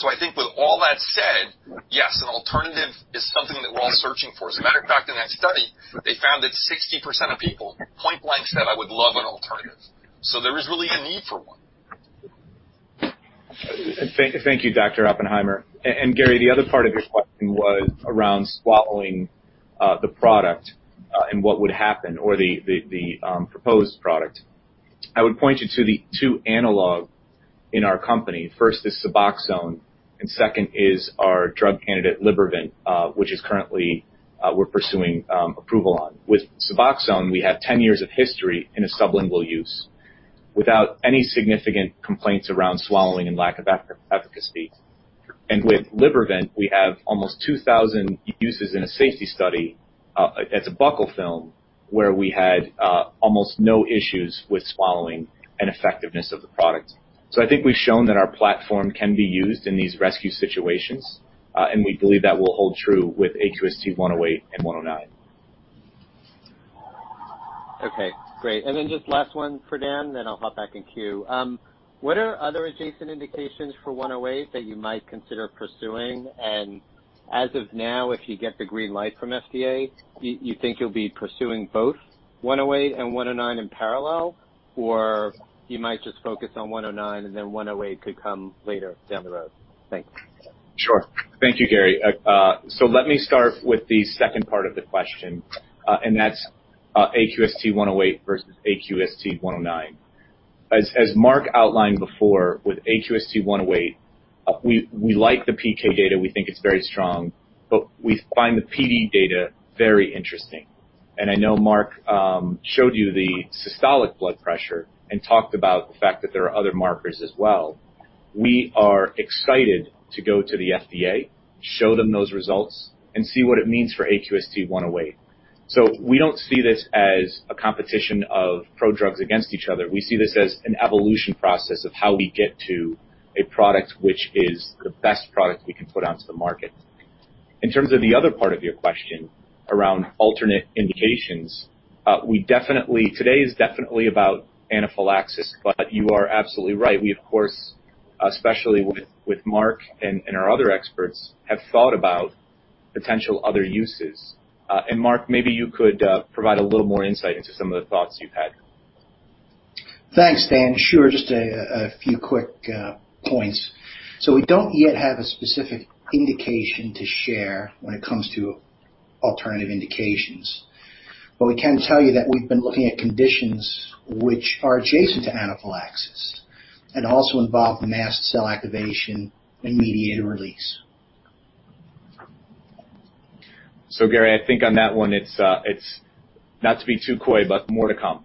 S6: I think with all that said, yes, an alternative is something that we're all searching for. As a matter of fact, in that study, they found that 60% of people point blank said, "I would love an alternative." There is really a need for one.
S2: Thank you, Dr. Oppenheimer. Gary, the other part of your question was around swallowing the product, and what would happen, or the proposed product. I would point you to the two analog in our company. First is SUBOXONE, and second is our drug candidate, Libervant, which is currently we're pursuing approval on. With SUBOXONE, we have 10 years of history in a sublingual use without any significant complaints around swallowing and lack of efficacy. With Libervant, we have almost 2,000 users in a safety study as a buccal film, where we had almost no issues with swallowing and effectiveness of the product. I think we've shown that our platform can be used in these rescue situations, and we believe that will hold true with AQST-108 and 109.
S9: Okay, great. Just last one for Dan, then I'll hop back in queue. What are other adjacent indications for 108 that you might consider pursuing? As of now, if you get the green light from FDA, you think you'll be pursuing both 108 and 109 in parallel, or you might just focus on 109 and then 108 could come later down the road? Thanks.
S2: Sure. Thank you, Gary. Let me start with the second part of the question, and that's AQST-108 versus AQST-109. As Mark outlined before with AQST-108, we like the PK data, we think it's very strong, but we find the PD data very interesting. I know Mark showed you the systolic blood pressure and talked about the fact that there are other markers as well. We are excited to go to the FDA, show them those results and see what it means for AQST-108. We don't see this as a competition of prodrugs against each other. We see this as an evolution process of how we get to a product which is the best product we can put out to the market. In terms of the other part of your question around alternate indications, today is definitely about anaphylaxis. You are absolutely right. We, of course, especially with Mark and our other experts, have thought about potential other uses. Mark, maybe you could provide a little more insight into some of the thoughts you've had.
S7: Thanks, Dan. Sure. Just a few quick points. We don't yet have a specific indication to share when it comes to alternative indications. We can tell you that we've been looking at conditions which are adjacent to anaphylaxis and also involve mast cell activation and mediator release.
S2: Gary, I think on that one, it's not to be too coy, but more to come.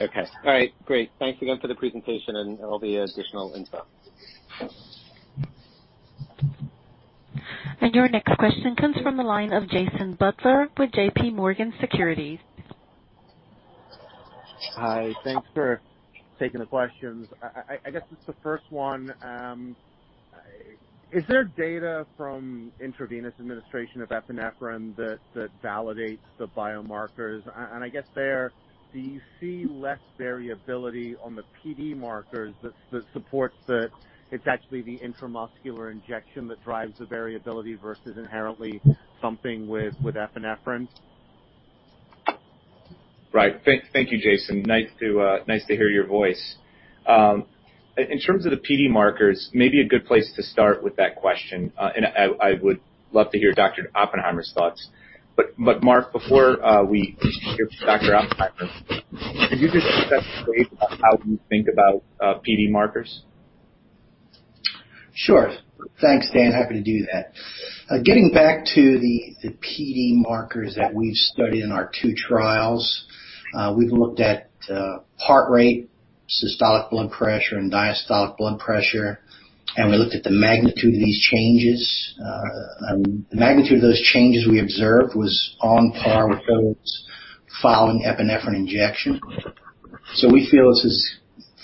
S9: Okay. All right. Great. Thanks again for the presentation and all the additional info.
S8: Your next question comes from the line of Jason Butler with JMP Securities.
S10: Hi. Thanks for taking the questions. I guess just the first one, is there data from intravenous administration of epinephrine that validates the biomarkers? I guess there, do you see less variability on the PD markers that supports that it's actually the intramuscular injection that drives the variability versus inherently something with epinephrine?
S2: Right. Thank you, Jason. Nice to hear your voice. In terms of the PD markers, maybe a good place to start with that question, and I would love to hear Dr. Oppenheimer's thoughts. Mark, before we hear from Dr. Oppenheimer, could you just set the stage about how you think about PD markers?
S7: Sure. Thanks, Dan. Happy to do that. Getting back to the PD markers that we've studied in our two trials. We've looked at heart rate, systolic blood pressure, and diastolic blood pressure, and we looked at the magnitude of these changes. The magnitude of those changes we observed was on par with those following epinephrine injection. We feel this is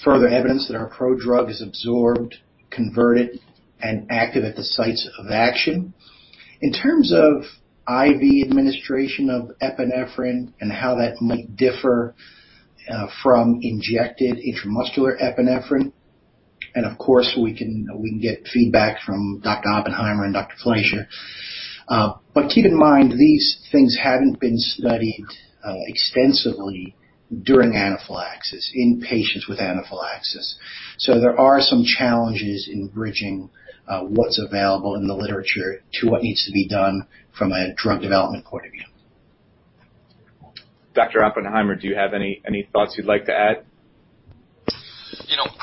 S7: further evidence that our prodrug is absorbed, converted, and active at the sites of action. In terms of IV administration of epinephrine and how that might differ from injected intramuscular epinephrine, of course, we can get feedback from Dr. Oppenheimer and Dr. Fleischer. Keep in mind, these things haven't been studied extensively during anaphylaxis in patients with anaphylaxis. There are some challenges in bridging what's available in the literature to what needs to be done from a drug development point of view.
S2: Dr. Oppenheimer, do you have any thoughts you'd like to add?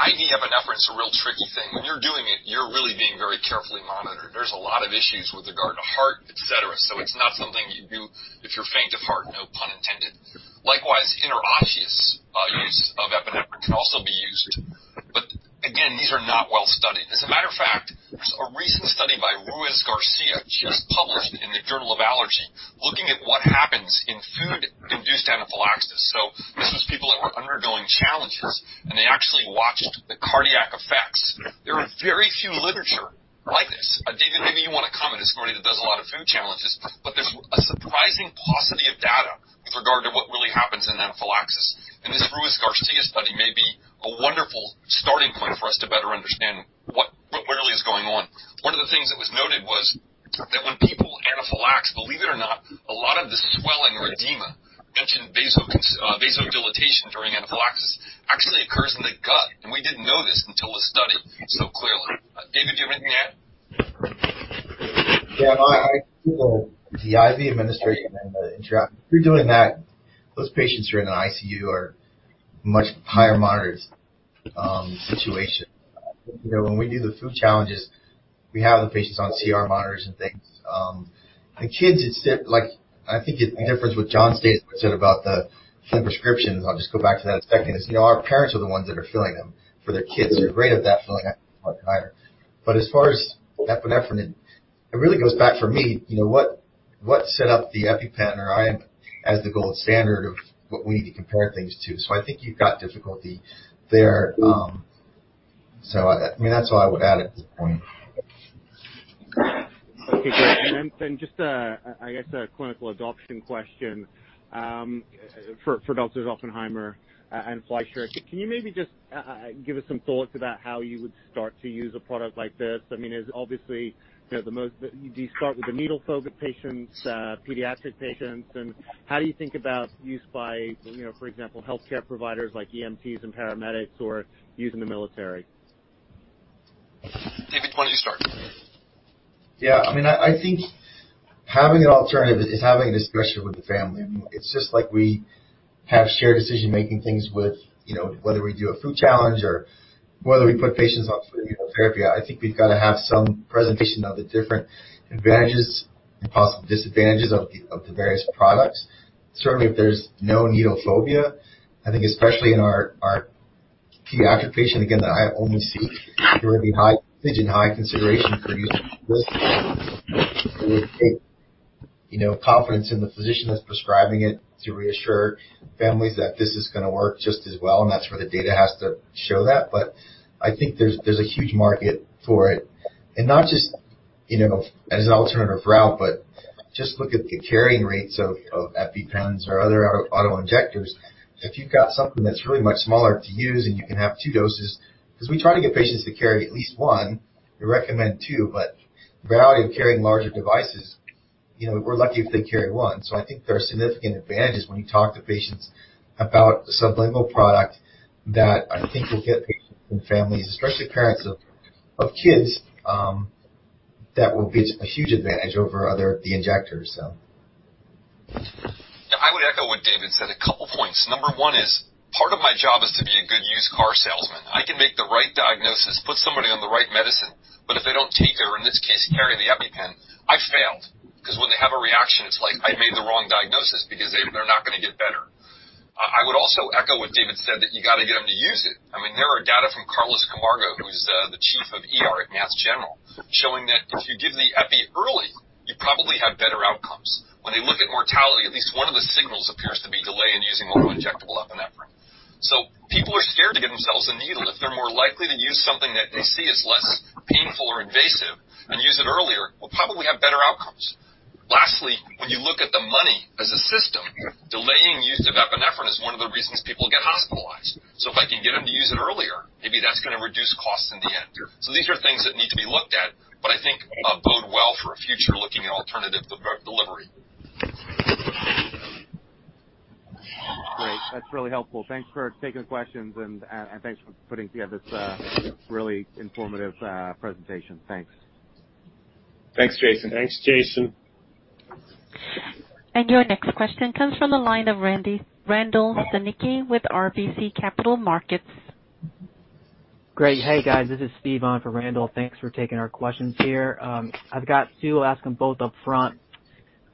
S6: IV epinephrine is a real tricky thing. When you're doing it, you're really being very carefully monitored. There's a lot of issues with regard to heart, et cetera, so it's not something you do if you're faint of heart, no pun intended. Likewise, intraosseous use of epinephrine can also be used. Again, these are not well-studied. As a matter of fact, there's a recent study by Ruiz-Garcia, just published in the "Journal of Allergy," looking at what happens in food-induced anaphylaxis. This was people that were undergoing challenges, and they actually watched the cardiac effects. There are very few literature like this. David, maybe you want to comment as somebody that does a lot of food challenges, there's a surprising paucity of data with regard to what really happens in anaphylaxis. This Ruiz-Garcia study may be a wonderful starting point for us to better understand what really is going on. One of the things that was noted was that when people anaphylax, believe it or not, a lot of the swelling or edema mentioned vasodilation during anaphylaxis actually occurs in the gut, and we didn't know this until this study so clearly. David, do you have anything to add?
S3: The IV administration and the intraosseous, if you're doing that, those patients are in an ICU or much higher monitored situation. When we do the food challenges, we have the patients on CR monitors and things. The kids, I think the difference what John Oppenheimer said about the filling prescriptions, I'll just go back to that one second, is our parents are the ones that are filling them for their kids. They're great at that, filling epinephrine auto-injector. As far as epinephrine, it really goes back for me, what set up the EpiPen or EAI as the gold standard of what we need to compare things to. I think you've got difficulty there. That's all I would add at this point.
S10: Okay, great. Just I guess a clinical adoption question for Doctors Oppenheimer and Fleischer. Can you maybe just give us some thoughts about how you would start to use a product like this? Do you start with the needle phobic patients, pediatric patients, and how do you think about use by, for example, healthcare providers like EMTs and paramedics or use in the military?
S6: David, why don't you start?
S3: Yeah. I think having an alternative is having a discussion with the family. It's just like we have shared decision making things with whether we do a food challenge or whether we put patients on immunotherapy. I think we've got to have some presentation of the different advantages and possible disadvantages of the various products. Certainly, if there's no needle phobia, I think especially in our pediatric patient, again, that I only see, there would be high consideration for using this. It would take confidence in the physician that's prescribing it to reassure families that this is going to work just as well, and that's where the data has to show that. I think there's a huge market for it. Not just as an alternative route, but just look at the carrying rates of EpiPens or other auto-injectors. If you've got something that's really much smaller to use and you can have two doses, because we try to get patients to carry at least one. We recommend two, but the reality of carrying larger devices, we're lucky if they carry one. I think there are significant advantages when you talk to patients about sublingual product that I think will get patients and families, especially parents of kids, that will be a huge advantage over the injectors.
S6: I would echo what David said. A couple points. Number one is part of my job is to be a good used car salesman. I can make the right diagnosis, put somebody on the right medicine, but if they don't take or in this case, carry the EpiPen, I failed. Because when they have a reaction, it's like I made the wrong diagnosis because they're not going to get better. I would also echo what David said, that you got to get them to use it. There are data from Carlos Camargo, who's the chief of ER at Mass General, showing that if you give the epi early, you probably have better outcomes. When they look at mortality, at least one of the signals appears to be delay in using auto-injectable epinephrine. People are scared to give themselves a needle. If they're more likely to use something that they see as less painful or invasive and use it earlier, we'll probably have better outcomes. Lastly, when you look at the money as a system, delaying use of epinephrine is one of the reasons people get hospitalized. If I can get them to use it earlier, maybe that's going to reduce costs in the end. These are things that need to be looked at, but I think bode well for a future looking at alternative delivery.
S10: Great. That's really helpful. Thanks for taking the questions and thanks for putting together this really informative presentation. Thanks.
S2: Thanks, Jason.
S3: Thanks, Jason.
S8: Your next question comes from the line of Randall Stanicky with RBC Capital Markets.
S11: Great. Hey, guys, this is Steve on for Randall. Thanks for taking our questions here. I've got two. I'll ask them both upfront.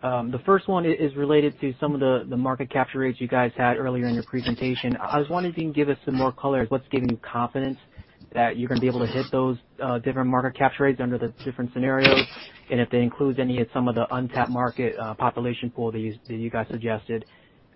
S11: The first one is related to some of the market capture rates you guys had earlier in your presentation. I was wondering if you can give us some more color as what's giving you confidence that you're going to be able to hit those different market capture rates under the different scenarios, and if that includes any of some of the untapped market population pool that you guys suggested.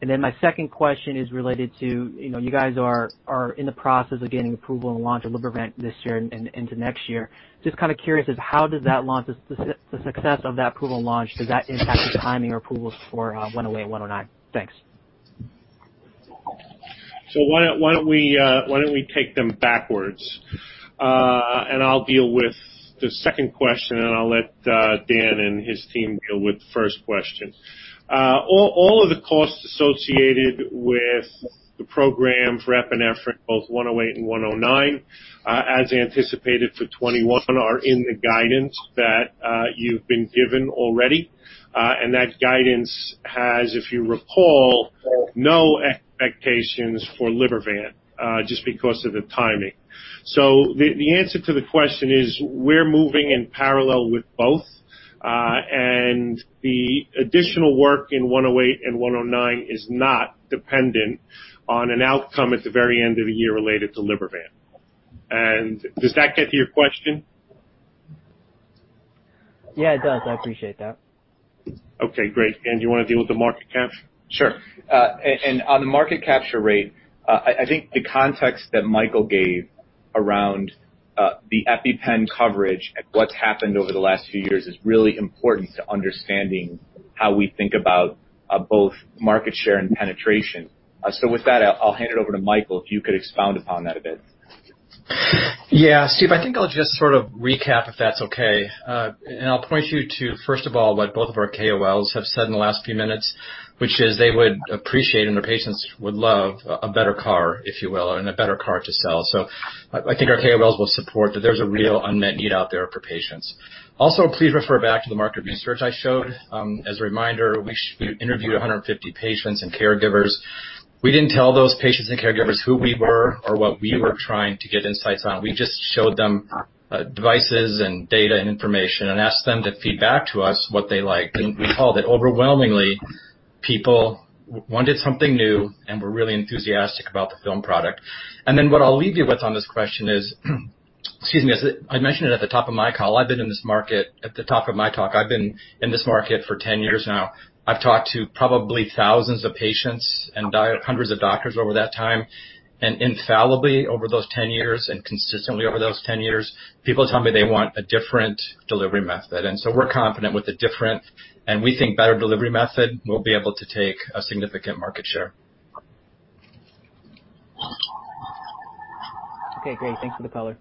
S11: My second question is related to, you guys are in the process of getting approval and launch of Libervant this year and into next year. Just curious as to how does the success of that approval and launch, does that impact the timing or approvals for 108 and 109? Thanks.
S1: Why don't we take them backwards? I'll deal with the second question, and I'll let Dan and his team deal with the first question. All of the costs associated with the program for epinephrine, both 108 and 109, as anticipated for 2021, are in the guidance that you've been given already. That guidance has, if you recall, no expectations for Libervant, just because of the timing. The answer to the question is we're moving in parallel with both, and the additional work in 108 and 109 is not dependent on an outcome at the very end of the year related to Libervant. Does that get to your question?
S11: Yeah, it does. I appreciate that.
S1: Okay, great. Dan, do you want to deal with the market capture?
S2: Sure. On the market capture rate, I think the context that Michael gave around the EpiPen coverage and what's happened over the last few years is really important to understanding how we think about both market share and penetration. With that, I'll hand it over to Michael, if you could expound upon that a bit.
S4: Yeah, Steve, I think I'll just sort of recap if that's okay. I'll point you to, first of all, what both of our KOLs have said in the last few minutes, which is they would appreciate and their patients would love a better CAR, if you will, and a better CAR to sell. I think our KOLs will support that there's a real unmet need out there for patients. Also, please refer back to the market research I showed. As a reminder, we interviewed 150 patients and caregivers. We didn't tell those patients and caregivers who we were or what we were trying to get insights on. We just showed them devices and data and information and asked them to feed back to us what they liked, and we called it. Overwhelmingly, people wanted something new and were really enthusiastic about the film product. What I'll leave you with on this question is, excuse me, as I mentioned it at the top of my talk, I've been in this market for 10 years now. I've talked to probably thousands of patients and hundreds of doctors over that time, and infallibly over those 10 years and consistently over those 10 years, people tell me they want a different delivery method. We're confident with a different, and we think better delivery method, we'll be able to take a significant market share.
S11: Okay, great. Thanks for the color.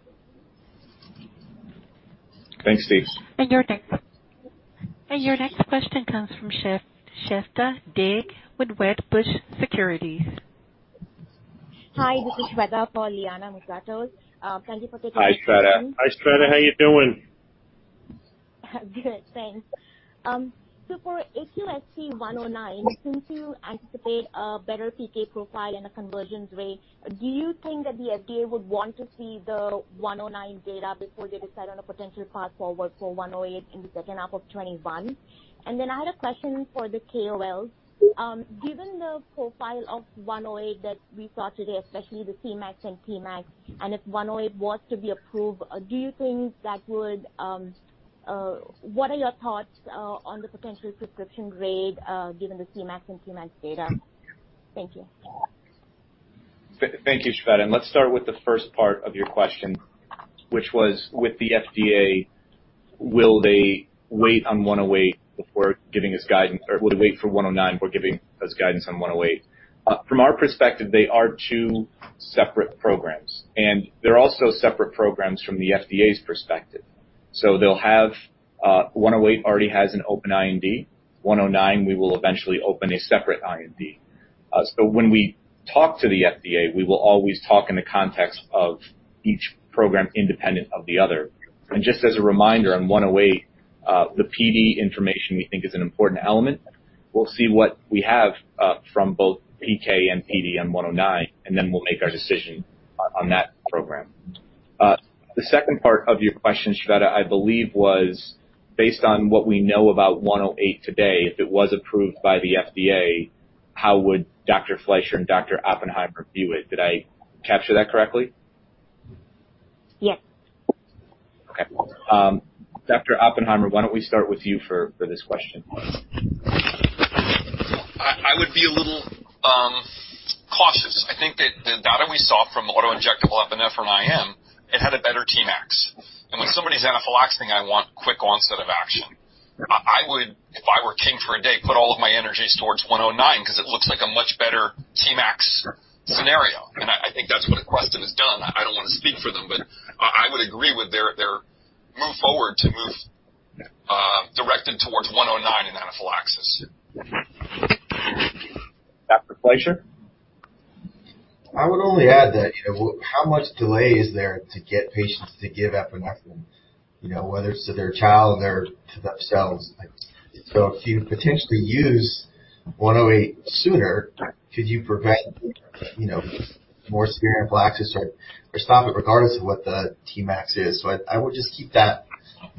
S2: Thanks, Steve.
S8: Your next question comes from Shveta Dighe with Wedbush Securities.
S12: Hi, this is Shveta for Liana Montalto. Thank you for taking my question.
S2: Hi, Shveta.
S1: Hi, Shveta. How are you doing?
S12: Good, thanks. For AQST-109, since you anticipate a better PK profile and a convergence rate, do you think that the FDA would want to see the 109 data before they decide on a potential path forward for 108 in the H2 of 2021? I had a question for the KOLs. Given the profile of 108 that we saw today, especially the Cmax and Tmax, and if 108 was to be approved, what are your thoughts on the potential prescription rate given the Cmax and Tmax data? Thank you.
S2: Thank you, Shveta. Let's start with the first part of your question, which was with the FDA, will they wait on 108 before giving us guidance, or will they wait for 109 before giving us guidance on 108? From our perspective, they are two separate programs, and they're also separate programs from the FDA's perspective. So 108 already has an open IND. 109, we will eventually open a separate IND. When we talk to the FDA, we will always talk in the context of each program independent of the other. Just as a reminder on 108, the PD information we think is an important element. We'll see what we have from both PK and PD on 109, and then we'll make our decision on that program. The second part of your question, Shveta, I believe was based on what we know about 108 today, if it was approved by the FDA, how would Dr. Fleischer and Dr. Oppenheimer view it? Did I capture that correctly?
S12: Yes.
S2: Okay. Dr. Oppenheimer, why don't we start with you for this question?
S6: I would be a little cautious. I think that the data we saw from auto-injectable epinephrine IM, it had a better Tmax. When somebody's anaphylaxing, I want quick onset of action. I would, if I were king for a day, put all of my energies towards 109 because it looks like a much better Tmax scenario. I think that's what Aquestive has done. I don't want to speak for them, but I would agree with their move forward to move directed towards 109 in anaphylaxis.
S2: Dr. Fleischer?
S3: I would only add that, how much delay is there to get patients to give epinephrine, whether it's to their child or to themselves? If you potentially use 108 sooner, could you prevent more severe anaphylaxis or stop it regardless of what the Tmax is? I would just keep that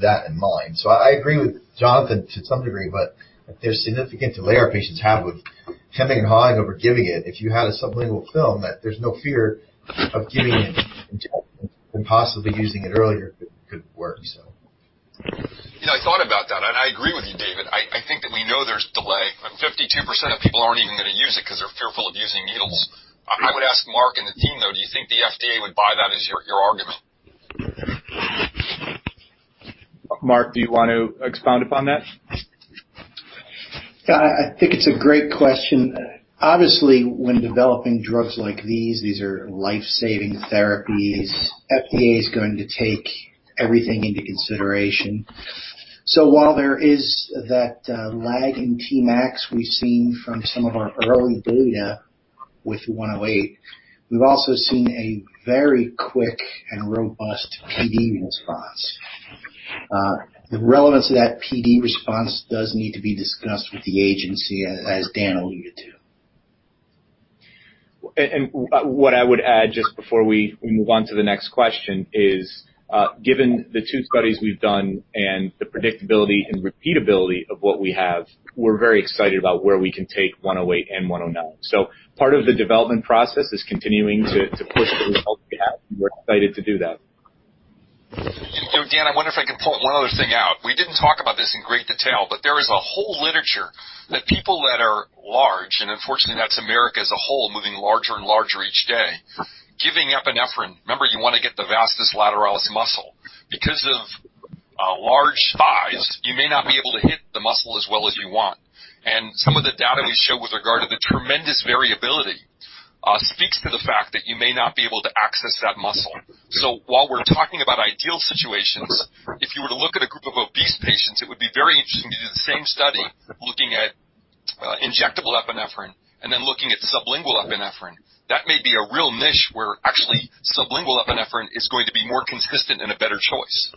S3: in mind. I agree with Jonathan to some degree, but there's significant delay our patients have with hemming and hawing over giving it. If you had a sublingual film, that there's no fear of giving an injection and possibly using it earlier could work so.
S6: Yeah, I thought about that, and I agree with you, David. I think that we know there's delay. 52% of people aren't even going to use it because they're fearful of using needles. I would ask Mark and the team, though, do you think the FDA would buy that as your argument?
S2: Mark, do you want to expound upon that?
S7: Yeah. I think it's a great question. Obviously, when developing drugs like these are life-saving therapies. FDA is going to take everything into consideration. While there is that lag in Tmax we've seen from some of our early data with 108, we've also seen a very quick and robust PD response. The relevance of that PD response does need to be discussed with the agency, as Dan alluded to.
S2: What I would add just before we move on to the next question is, given the two studies we've done and the predictability and repeatability of what we have, we're very excited about where we can take 108 and 109. Part of the development process is continuing to push the results we have, and we're excited to do that.
S6: Dan, I wonder if I can point one other thing out. We didn't talk about this in great detail, but there is a whole literature that people that are large, and unfortunately that's America as a whole, moving larger and larger each day. Giving epinephrine, remember, you want to get the vastus lateralis muscle. Because of large thighs, you may not be able to hit the muscle as well as you want. Some of the data we show with regard to the tremendous variability speaks to the fact that you may not be able to access that muscle. While we're talking about ideal situations, if you were to look at a group of obese patients, it would be very interesting to do the same study looking at injectable epinephrine and then looking at sublingual epinephrine. That may be a real niche where actually sublingual epinephrine is going to be more consistent and a better choice.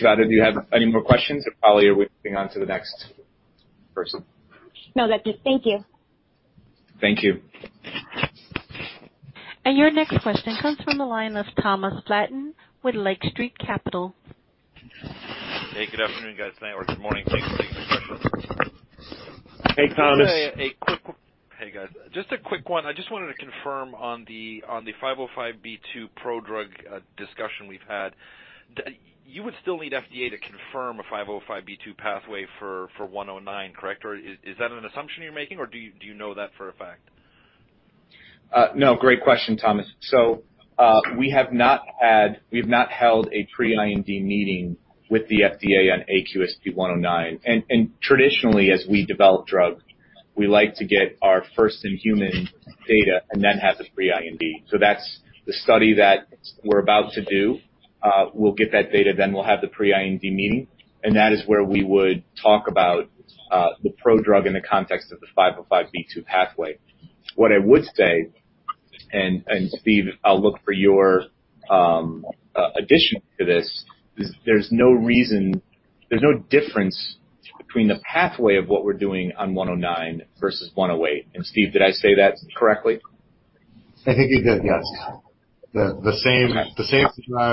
S2: Shveta, do you have any more questions, or probably are we moving on to the next person?
S12: No, that's it. Thank you.
S2: Thank you.
S8: Your next question comes from the line of Thomas Flaten with Lake Street Capital.
S13: Hey, good afternoon, guys. No, or good morning. Thanks. Thanks for the question.
S2: Hey, Thomas.
S13: Hey, guys. Just a quick one. I just wanted to confirm on the 505(b)(2) prodrug discussion we've had. You would still need FDA to confirm a 505(b)(2) pathway for 109, correct? Is that an assumption you're making, or do you know that for a fact?
S2: No, great question, Thomas. We have not held a pre-IND meeting with the FDA on AQST-109. Traditionally, as we develop drugs, we like to get our first in human data and then have the pre-IND. That's the study that we're about to do. We'll get that data, then we'll have the pre-IND meeting, and that is where we would talk about the prodrug in the context of the 505(b)(2) pathway. What I would say, and Steve, I'll look for your addition to this, is there's no difference between the pathway of what we're doing on 109 versus 108. Steve, did I say that correctly?
S5: I think you did, yes. The same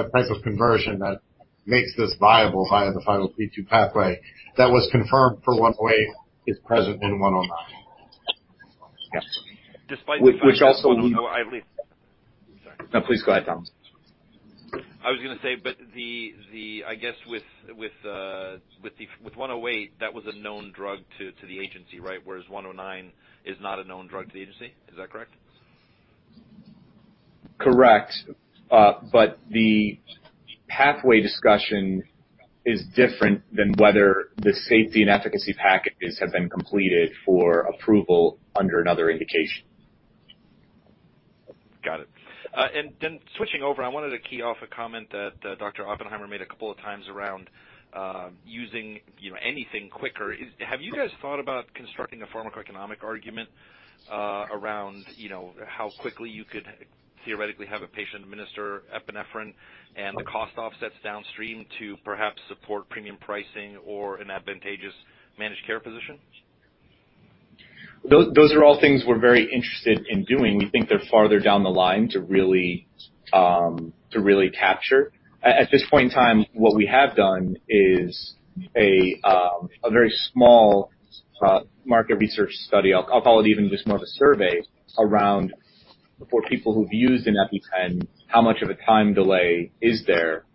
S5: type of conversion that makes this viable via the 505(b)(2) pathway that was confirmed for 108 is present in 109.
S2: Yeah.
S13: Despite the fact that-
S2: Which also we-
S13: I believe. Sorry.
S2: No, please go ahead, Thomas.
S13: I was going to say, but I guess with 108, that was a known drug to the agency, right? Whereas 109 is not a known drug to the agency. Is that correct?
S2: Correct. The pathway discussion is different than whether the safety and efficacy packages have been completed for approval under another indication.
S13: Got it. Switching over, I wanted to key off a comment that Dr. Oppenheimer made a couple of times around using anything quicker. Have you guys thought about constructing a pharmacoeconomic argument around how quickly you could theoretically have a patient administer epinephrine and the cost offsets downstream to perhaps support premium pricing or an advantageous managed care position?
S2: Those are all things we're very interested in doing. We think they're farther down the line to really capture. At this point in time, what we have done is a very small market research study. I will call it even just more of a survey around for people who have used an EpiPen, how much of a time delay is there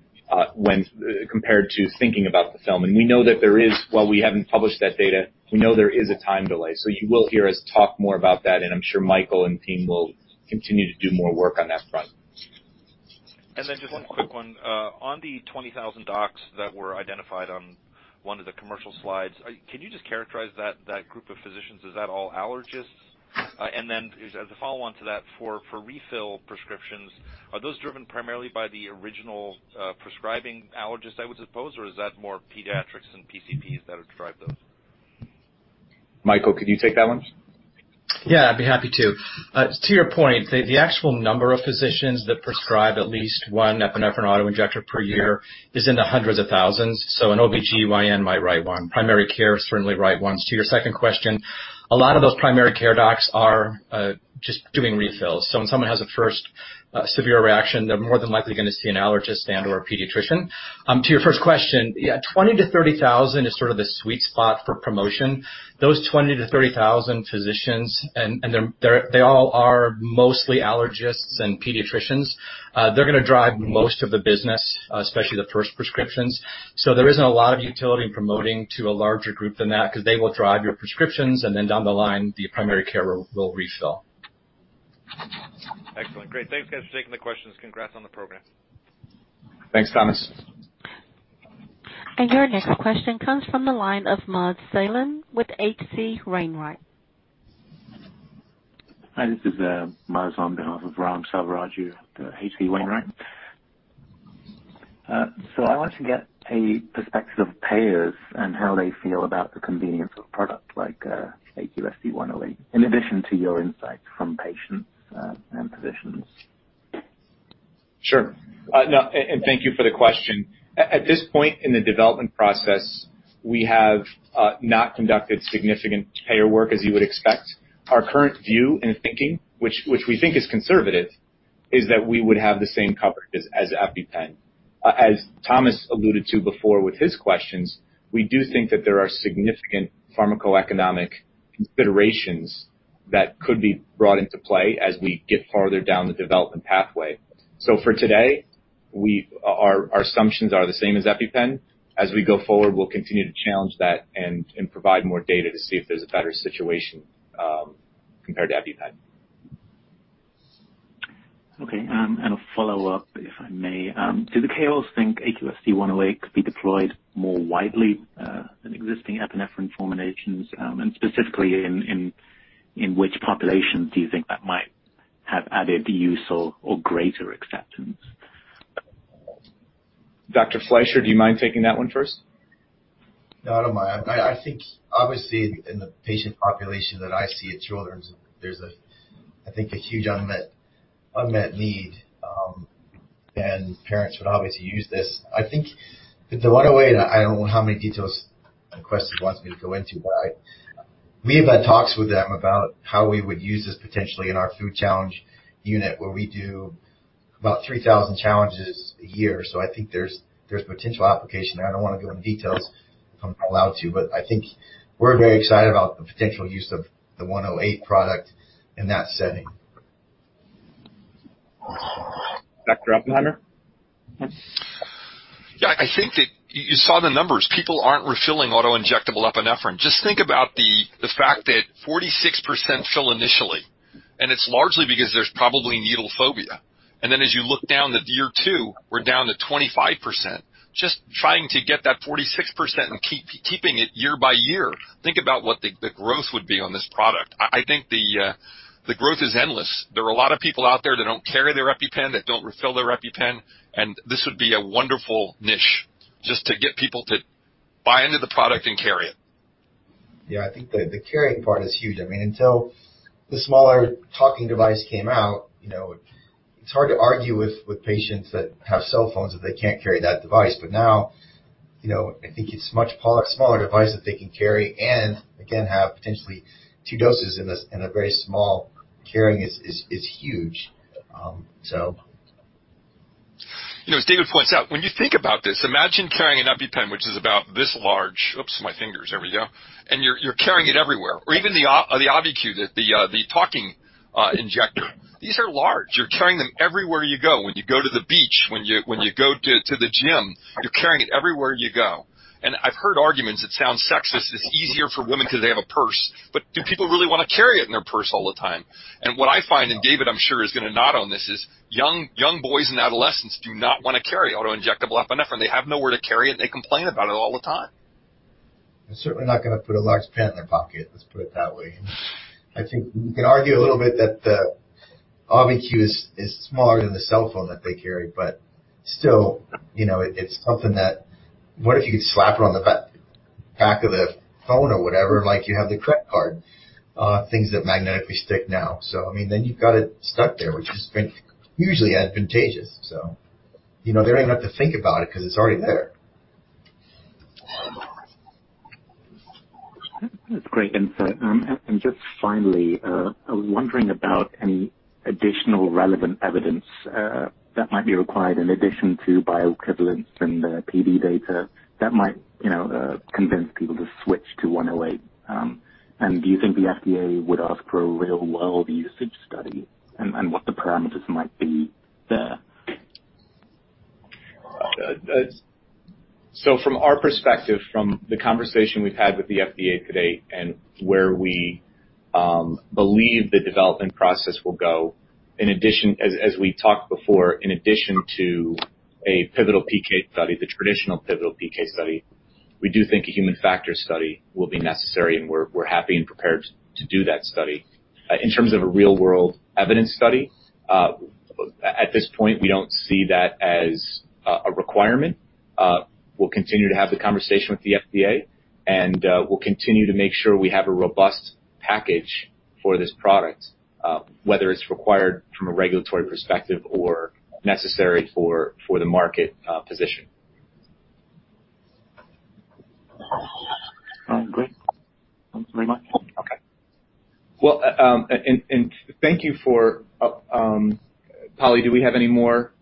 S2: compared to thinking about the film. We know that there is, while we haven't published that data, we know there is a time delay. You will hear us talk more about that, and I'm sure Michael and team will continue to do more work on that front.
S13: Just one quick one. On the 20,000 docs that were identified on one of the commercial slides, can you just characterize that group of physicians? Is that all allergists? Then as a follow-on to that, for refill prescriptions, are those driven primarily by the original prescribing allergist, I would suppose, or is that more pediatrics and PCPs that would drive those?
S2: Michael, could you take that one?
S4: I'd be happy to. To your point, the actual number of physicians that prescribe at least one epinephrine auto-injector per year is in the hundreds of thousands. An OBGYN might write one. Primary care certainly write ones. To your second question, a lot of those primary care docs are just doing refills. When someone has a first severe reaction, they're more than likely going to see an allergist and/or a pediatrician. To your first question, 20,000-30,000 is sort of the sweet spot for promotion. Those 20,000-30,000 physicians, and they all are mostly allergists and pediatricians. They're going to drive most of the business, especially the first prescriptions. There isn't a lot of utility in promoting to a larger group than that because they will drive your prescriptions, and then down the line, the primary care will refill.
S13: Excellent. Great. Thanks, guys, for taking the questions. Congrats on the program.
S2: Thanks, Thomas.
S8: Your next question comes from the line of Maz Salem with H.C. Wainwright.
S14: Hi, this is Maz on behalf of Raghuram Selvaraju at H.C. Wainwright. I want to get a perspective of payers and how they feel about the convenience of a product like AQST-108, in addition to your insights from patients and physicians.
S2: Sure. Thank you for the question. At this point in the development process, we have not conducted significant payer work as you would expect. Our current view and thinking, which we think is conservative, is that we would have the same coverage as EpiPen. As Thomas alluded to before with his questions, we do think that there are significant pharmacoeconomic considerations that could be brought into play as we get farther down the development pathway. For today, our assumptions are the same as EpiPen. As we go forward, we'll continue to challenge that and provide more data to see if there's a better situation compared to EpiPen.
S14: Okay. A follow-up, if I may. Do the KOLs think AQST-108 could be deployed more widely than existing epinephrine formulations? Specifically, in which populations do you think that might have added use or greater acceptance?
S2: Dr. Fleisher, do you mind taking that one first?
S3: No, I don't mind. I think obviously in the patient population that I see at Children's, there's a huge unmet need, and parents would obviously use this. I think the 108, and I don't know how many details Aquestive wants me to go into, but we have had talks with them about how we would use this potentially in our food challenge unit, where we do about 3,000 challenges a year. I think there's potential application there. I don't want to go into details if I'm allowed to, but I think we're very excited about the potential use of the 108 product in that setting.
S2: Dr. Oppenheimer?
S6: Yeah, I think that you saw the numbers. People aren't refilling auto-injectable epinephrine. Just think about the fact that 46% fill initially, and it's largely because there's probably needle phobia. Then as you look down at the year two, we're down to 25%. Just trying to get that 46% and keeping it year by year, think about what the growth would be on this product. I think the growth is endless. There are a lot of people out there that don't carry their EpiPen, that don't refill their EpiPen, and this would be a wonderful niche just to get people to buy into the product and carry it.
S3: I think the carrying part is huge. Until the smaller talking device came out, it is hard to argue with patients that have cell phones if they cannot carry that device. Now, I think it is a much smaller device that they can carry and again, have potentially two doses in a very small carrying is huge.
S6: As David points out, when you think about this, imagine carrying an EpiPen, which is about this large. Oops, my fingers. There we go. You're carrying it everywhere. Even the AUVI-Q, the talking injector. These are large. You're carrying them everywhere you go. When you go to the beach, when you go to the gym, you're carrying it everywhere you go. I've heard arguments that sound sexist, it's easier for women because they have a purse, but do people really want to carry it in their purse all the time? What I find, and David, I'm sure, is going to nod on this, is young boys and adolescents do not want to carry auto-injectable epinephrine. They have nowhere to carry it. They complain about it all the time.
S3: They're certainly not going to put a large pen in their pocket, let's put it that way. I think you can argue a little bit that the AUVI-Q is smaller than the cell phone that they carry, but still, it's something that what if you could slap it on the back of the phone or whatever, like you have the credit card? Things that magnetically stick now. Then you've got it stuck there, which is usually advantageous. They don't even have to think about it because it's already there.
S14: That's great insight. Just finally, I was wondering about any additional relevant evidence that might be required in addition to bioequivalence and PD data that might convince people to switch to 108. Do you think the FDA would ask for a real-world usage study and what the parameters might be there?
S2: From our perspective, from the conversation we've had with the FDA to date and where we believe the development process will go, as we talked before, in addition to a pivotal PK study, the traditional pivotal PK study. We do think a human factor study will be necessary, and we're happy and prepared to do that study. In terms of a real-world evidence study, at this point, we don't see that as a requirement. We'll continue to have the conversation with the FDA, and we'll continue to make sure we have a robust package for this product, whether it's required from a regulatory perspective or necessary for the market position.
S14: Great. Thanks very much.
S2: Okay.
S1: Well, thank you for, Polly, do we have any more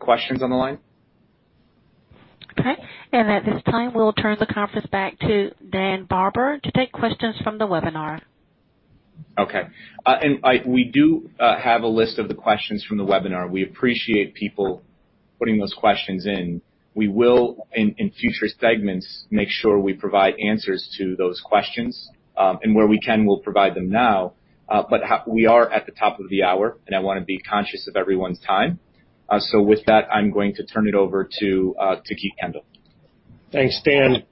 S1: questions on the line?
S8: Okay. At this time, we'll turn the conference back to Dan Barber to take questions from the webinar.
S2: Okay. We do have a list of the questions from the webinar. We appreciate people putting those questions in. We will, in future segments, make sure we provide answers to those questions. Where we can, we'll provide them now. We are at the top of the hour, and I want to be conscious of everyone's time. With that, I'm going to turn it over to Keith Kendall.
S1: Thanks, Dan.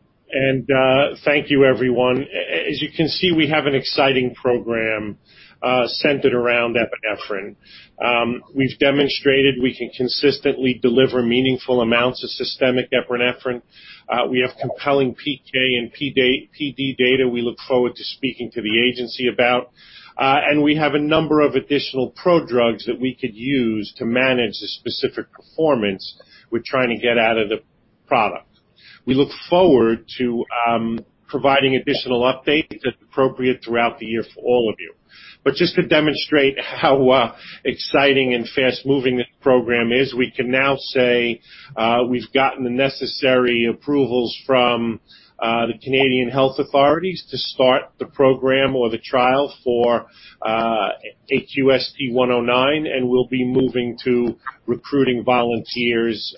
S1: Thank you, everyone. As you can see, we have an exciting program centered around epinephrine. We've demonstrated we can consistently deliver meaningful amounts of systemic epinephrine. We have compelling PK and PD data we look forward to speaking to the agency about. We have a number of additional prodrugs that we could use to manage the specific performance we're trying to get out of the product. We look forward to providing additional updates as appropriate throughout the year for all of you. Just to demonstrate how exciting and fast-moving this program is, we can now say we've gotten the necessary approvals from the Canadian health authorities to start the program or the trial for AQST-109, and we'll be moving to recruiting volunteers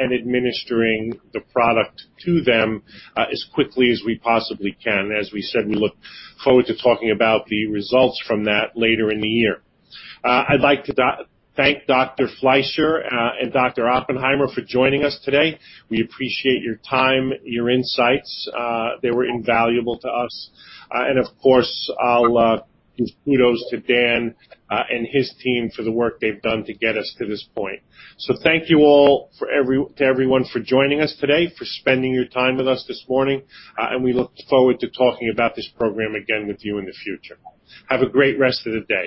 S1: and administering the product to them as quickly as we possibly can. As we said, we look forward to talking about the results from that later in the year. I'd like to thank Dr. Fleischer and Dr. Oppenheimer for joining us today. We appreciate your time, your insights. They were invaluable to us. Of course, I'll give kudos to Dan and his team for the work they've done to get us to this point. Thank you all, to everyone for joining us today, for spending your time with us this morning, and we look forward to talking about this program again with you in the future. Have a great rest of the day